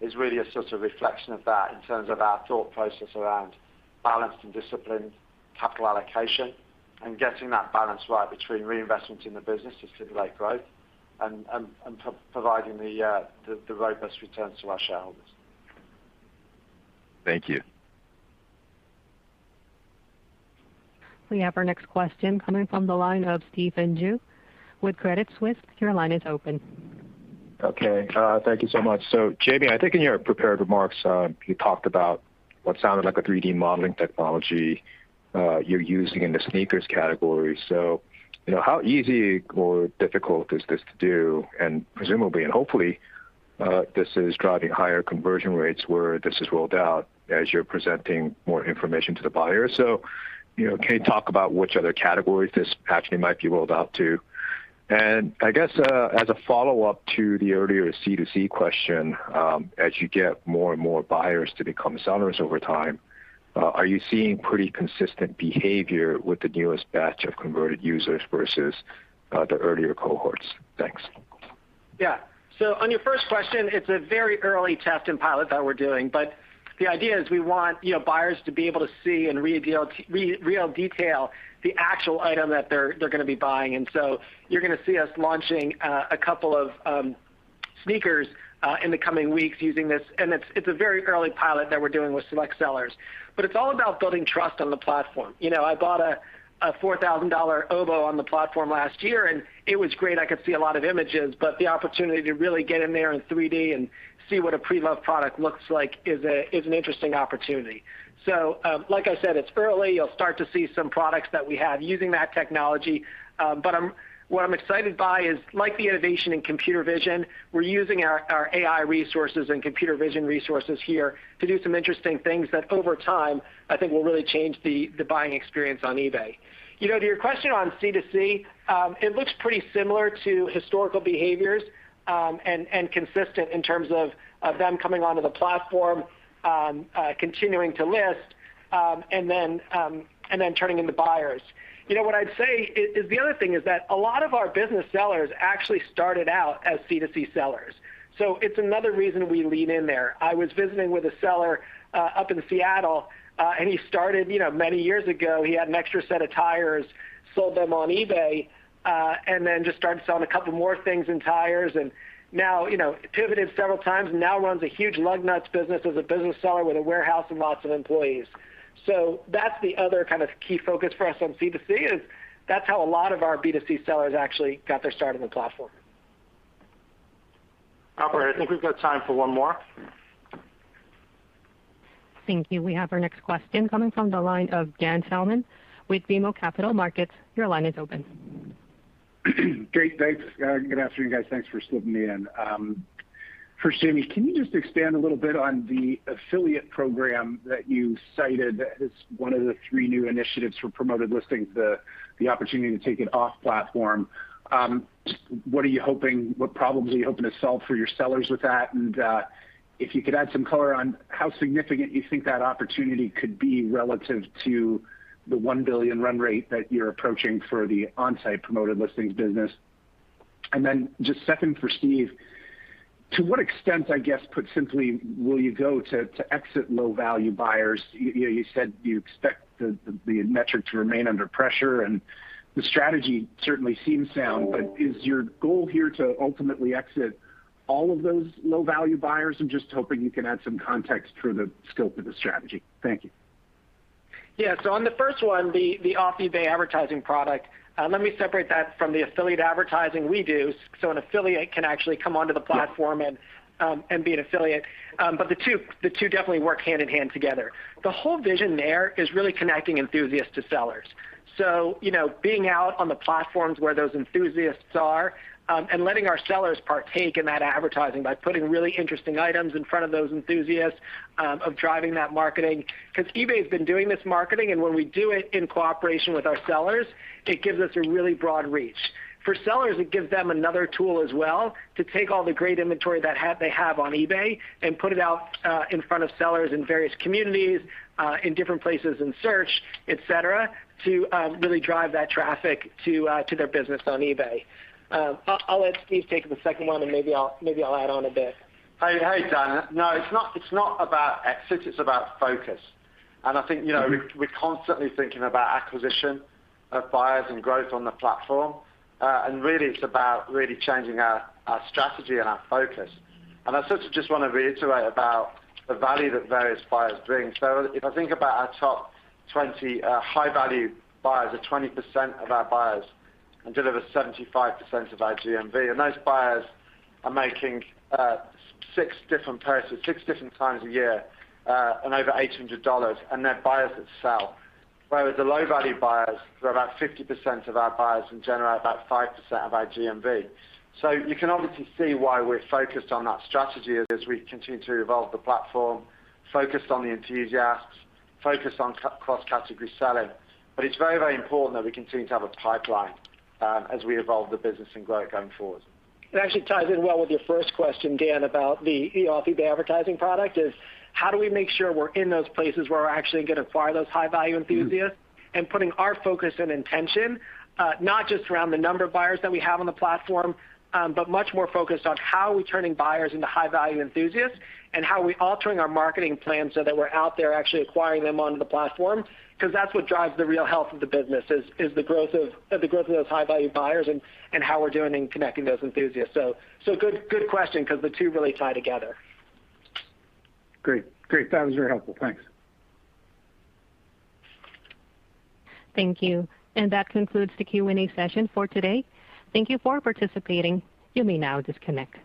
Speaker 4: is really a sort of reflection of that in terms of our thought process around balanced and disciplined capital allocation and getting that balance right between reinvestment in the business to stimulate growth and providing the robust returns to our shareholders.
Speaker 11: Thank you.
Speaker 1: We have our next question coming from the line of Stephen Ju with Credit Suisse. Your line is open.
Speaker 12: Okay. Thank you so much. Jamie, I think in your prepared remarks, you talked about what sounded like a 3D modeling technology you're using in the sneakers category. You know, how easy or difficult is this to do? And presumably, and hopefully, this is driving higher conversion rates where this is rolled out as you're presenting more information to the buyer. You know, can you talk about which other categories this actually might be rolled out to? I guess, as a follow-up to the earlier C2C question, as you get more and more buyers to become sellers over time, are you seeing pretty consistent behavior with the newest batch of converted users versus the earlier cohorts? Thanks.
Speaker 3: Yeah. On your first question, it's a very early test and pilot that we're doing, but the idea is we want, you know, buyers to be able to see in real detail the actual item that they're gonna be buying. You're gonna see us launching a couple of sneakers in the coming weeks using this. It's a very early pilot that we're doing with select sellers. It's all about building trust on the platform. You know, I bought a $4,000 OBO on the platform last year, and it was great. I could see a lot of images, but the opportunity to really get in there in 3D and see what a pre-loved product looks like is an interesting opportunity. Like I said, it's early. You'll start to see some products that we have using that technology. But what I'm excited by is like the innovation in computer vision, we're using our AI resources and computer vision resources here to do some interesting things that over time, I think will really change the buying experience on eBay. You know, to your question on C2C, it looks pretty similar to historical behaviors, and consistent in terms of them coming onto the platform, continuing to list, and then turning into buyers. You know, what I'd say is the other thing is that a lot of our business sellers actually started out as C2C sellers. It's another reason we lean in there. I was visiting with a seller up in Seattle and he started, you know, many years ago, he had an extra set of tires, sold them on eBay and then just started selling a couple more things and tires. Now, you know, pivoted several times and now runs a huge lug nuts business as a business seller with a warehouse and lots of employees. That's the other kind of key focus for us on C2C, is that's how a lot of our B2C sellers actually got their start on the platform.
Speaker 4: Operator, I think we've got time for one more.
Speaker 1: Thank you. We have our next question coming from the line of Dan Salmon with BMO Capital Markets. Your line is open.
Speaker 13: Great. Thanks. Good afternoon, guys. Thanks for slipping me in. First, Jamie, can you just expand a little bit on the affiliate program that you cited as one of the three new initiatives for Promoted Listings, the opportunity to take it off platform. What problems are you hoping to solve for your sellers with that? And, if you could add some color on how significant you think that opportunity could be relative to the $1 billion run rate that you're approaching for the on-site Promoted Listings business. And then just second for Steve, to what extent, I guess, put simply, will you go to exit low-value buyers? You know, you said you expect the metric to remain under pressure, and the strategy certainly seems sound, but is your goal here to ultimately exit all of those low-value buyers? I'm just hoping you can add some context for the scope of the strategy. Thank you.
Speaker 3: Yeah. On the first one, the off-eBay advertising product, let me separate that from the affiliate advertising we do. An affiliate can actually come onto the platform and be an affiliate. The two definitely work hand-in-hand together. The whole vision there is really connecting enthusiasts to sellers. You know, being out on the platforms where those enthusiasts are, and letting our sellers partake in that advertising by putting really interesting items in front of those enthusiasts, of driving that marketing. 'Cause eBay's been doing this marketing, and when we do it in cooperation with our sellers, it gives us a really broad reach. For sellers, it gives them another tool as well to take all the great inventory that they have on eBay and put it out in front of sellers in various communities in different places in search, et cetera, to really drive that traffic to their business on eBay. I'll let Steve take the second one, and maybe I'll add on a bit.
Speaker 4: Hey, hey, Dan. No, it's not, it's not about exit, it's about focus. I think, you know, we're constantly thinking about acquisition of buyers and growth on the platform. Really it's about really changing our strategy and our focus. I sort of just wanna reiterate about the value that various buyers bring. If I think about our top 20, high-value buyers are 20% of our buyers and deliver 75% of our GMV, and those buyers are making, six different purchases six different times a year, and over $800, and they're buyers that sell. Whereas the low-value buyers, they're about 50% of our buyers and generate about 5% of our GMV. You can obviously see why we're focused on that strategy as we continue to evolve the platform, focused on the enthusiasts, focused on cross-category selling. It's very, very important that we continue to have a pipeline, as we evolve the business and grow it going forward.
Speaker 3: It actually ties in well with your first question, Dan, about the off-eBay advertising product, is how do we make sure we're in those places where we're actually gonna acquire those high-value enthusiasts and putting our focus and intention, not just around the number of buyers that we have on the platform, but much more focused on how are we turning buyers into high-value enthusiasts and how are we altering our marketing plan so that we're out there actually acquiring them onto the platform. 'Cause that's what drives the real health of the business, is the growth of those high-value buyers and how we're doing in connecting those enthusiasts. Good question 'cause the two really tie together.
Speaker 13: Great. That was very helpful. Thanks.
Speaker 1: Thank you. That concludes the Q&A session for today. Thank you for participating. You may now disconnect.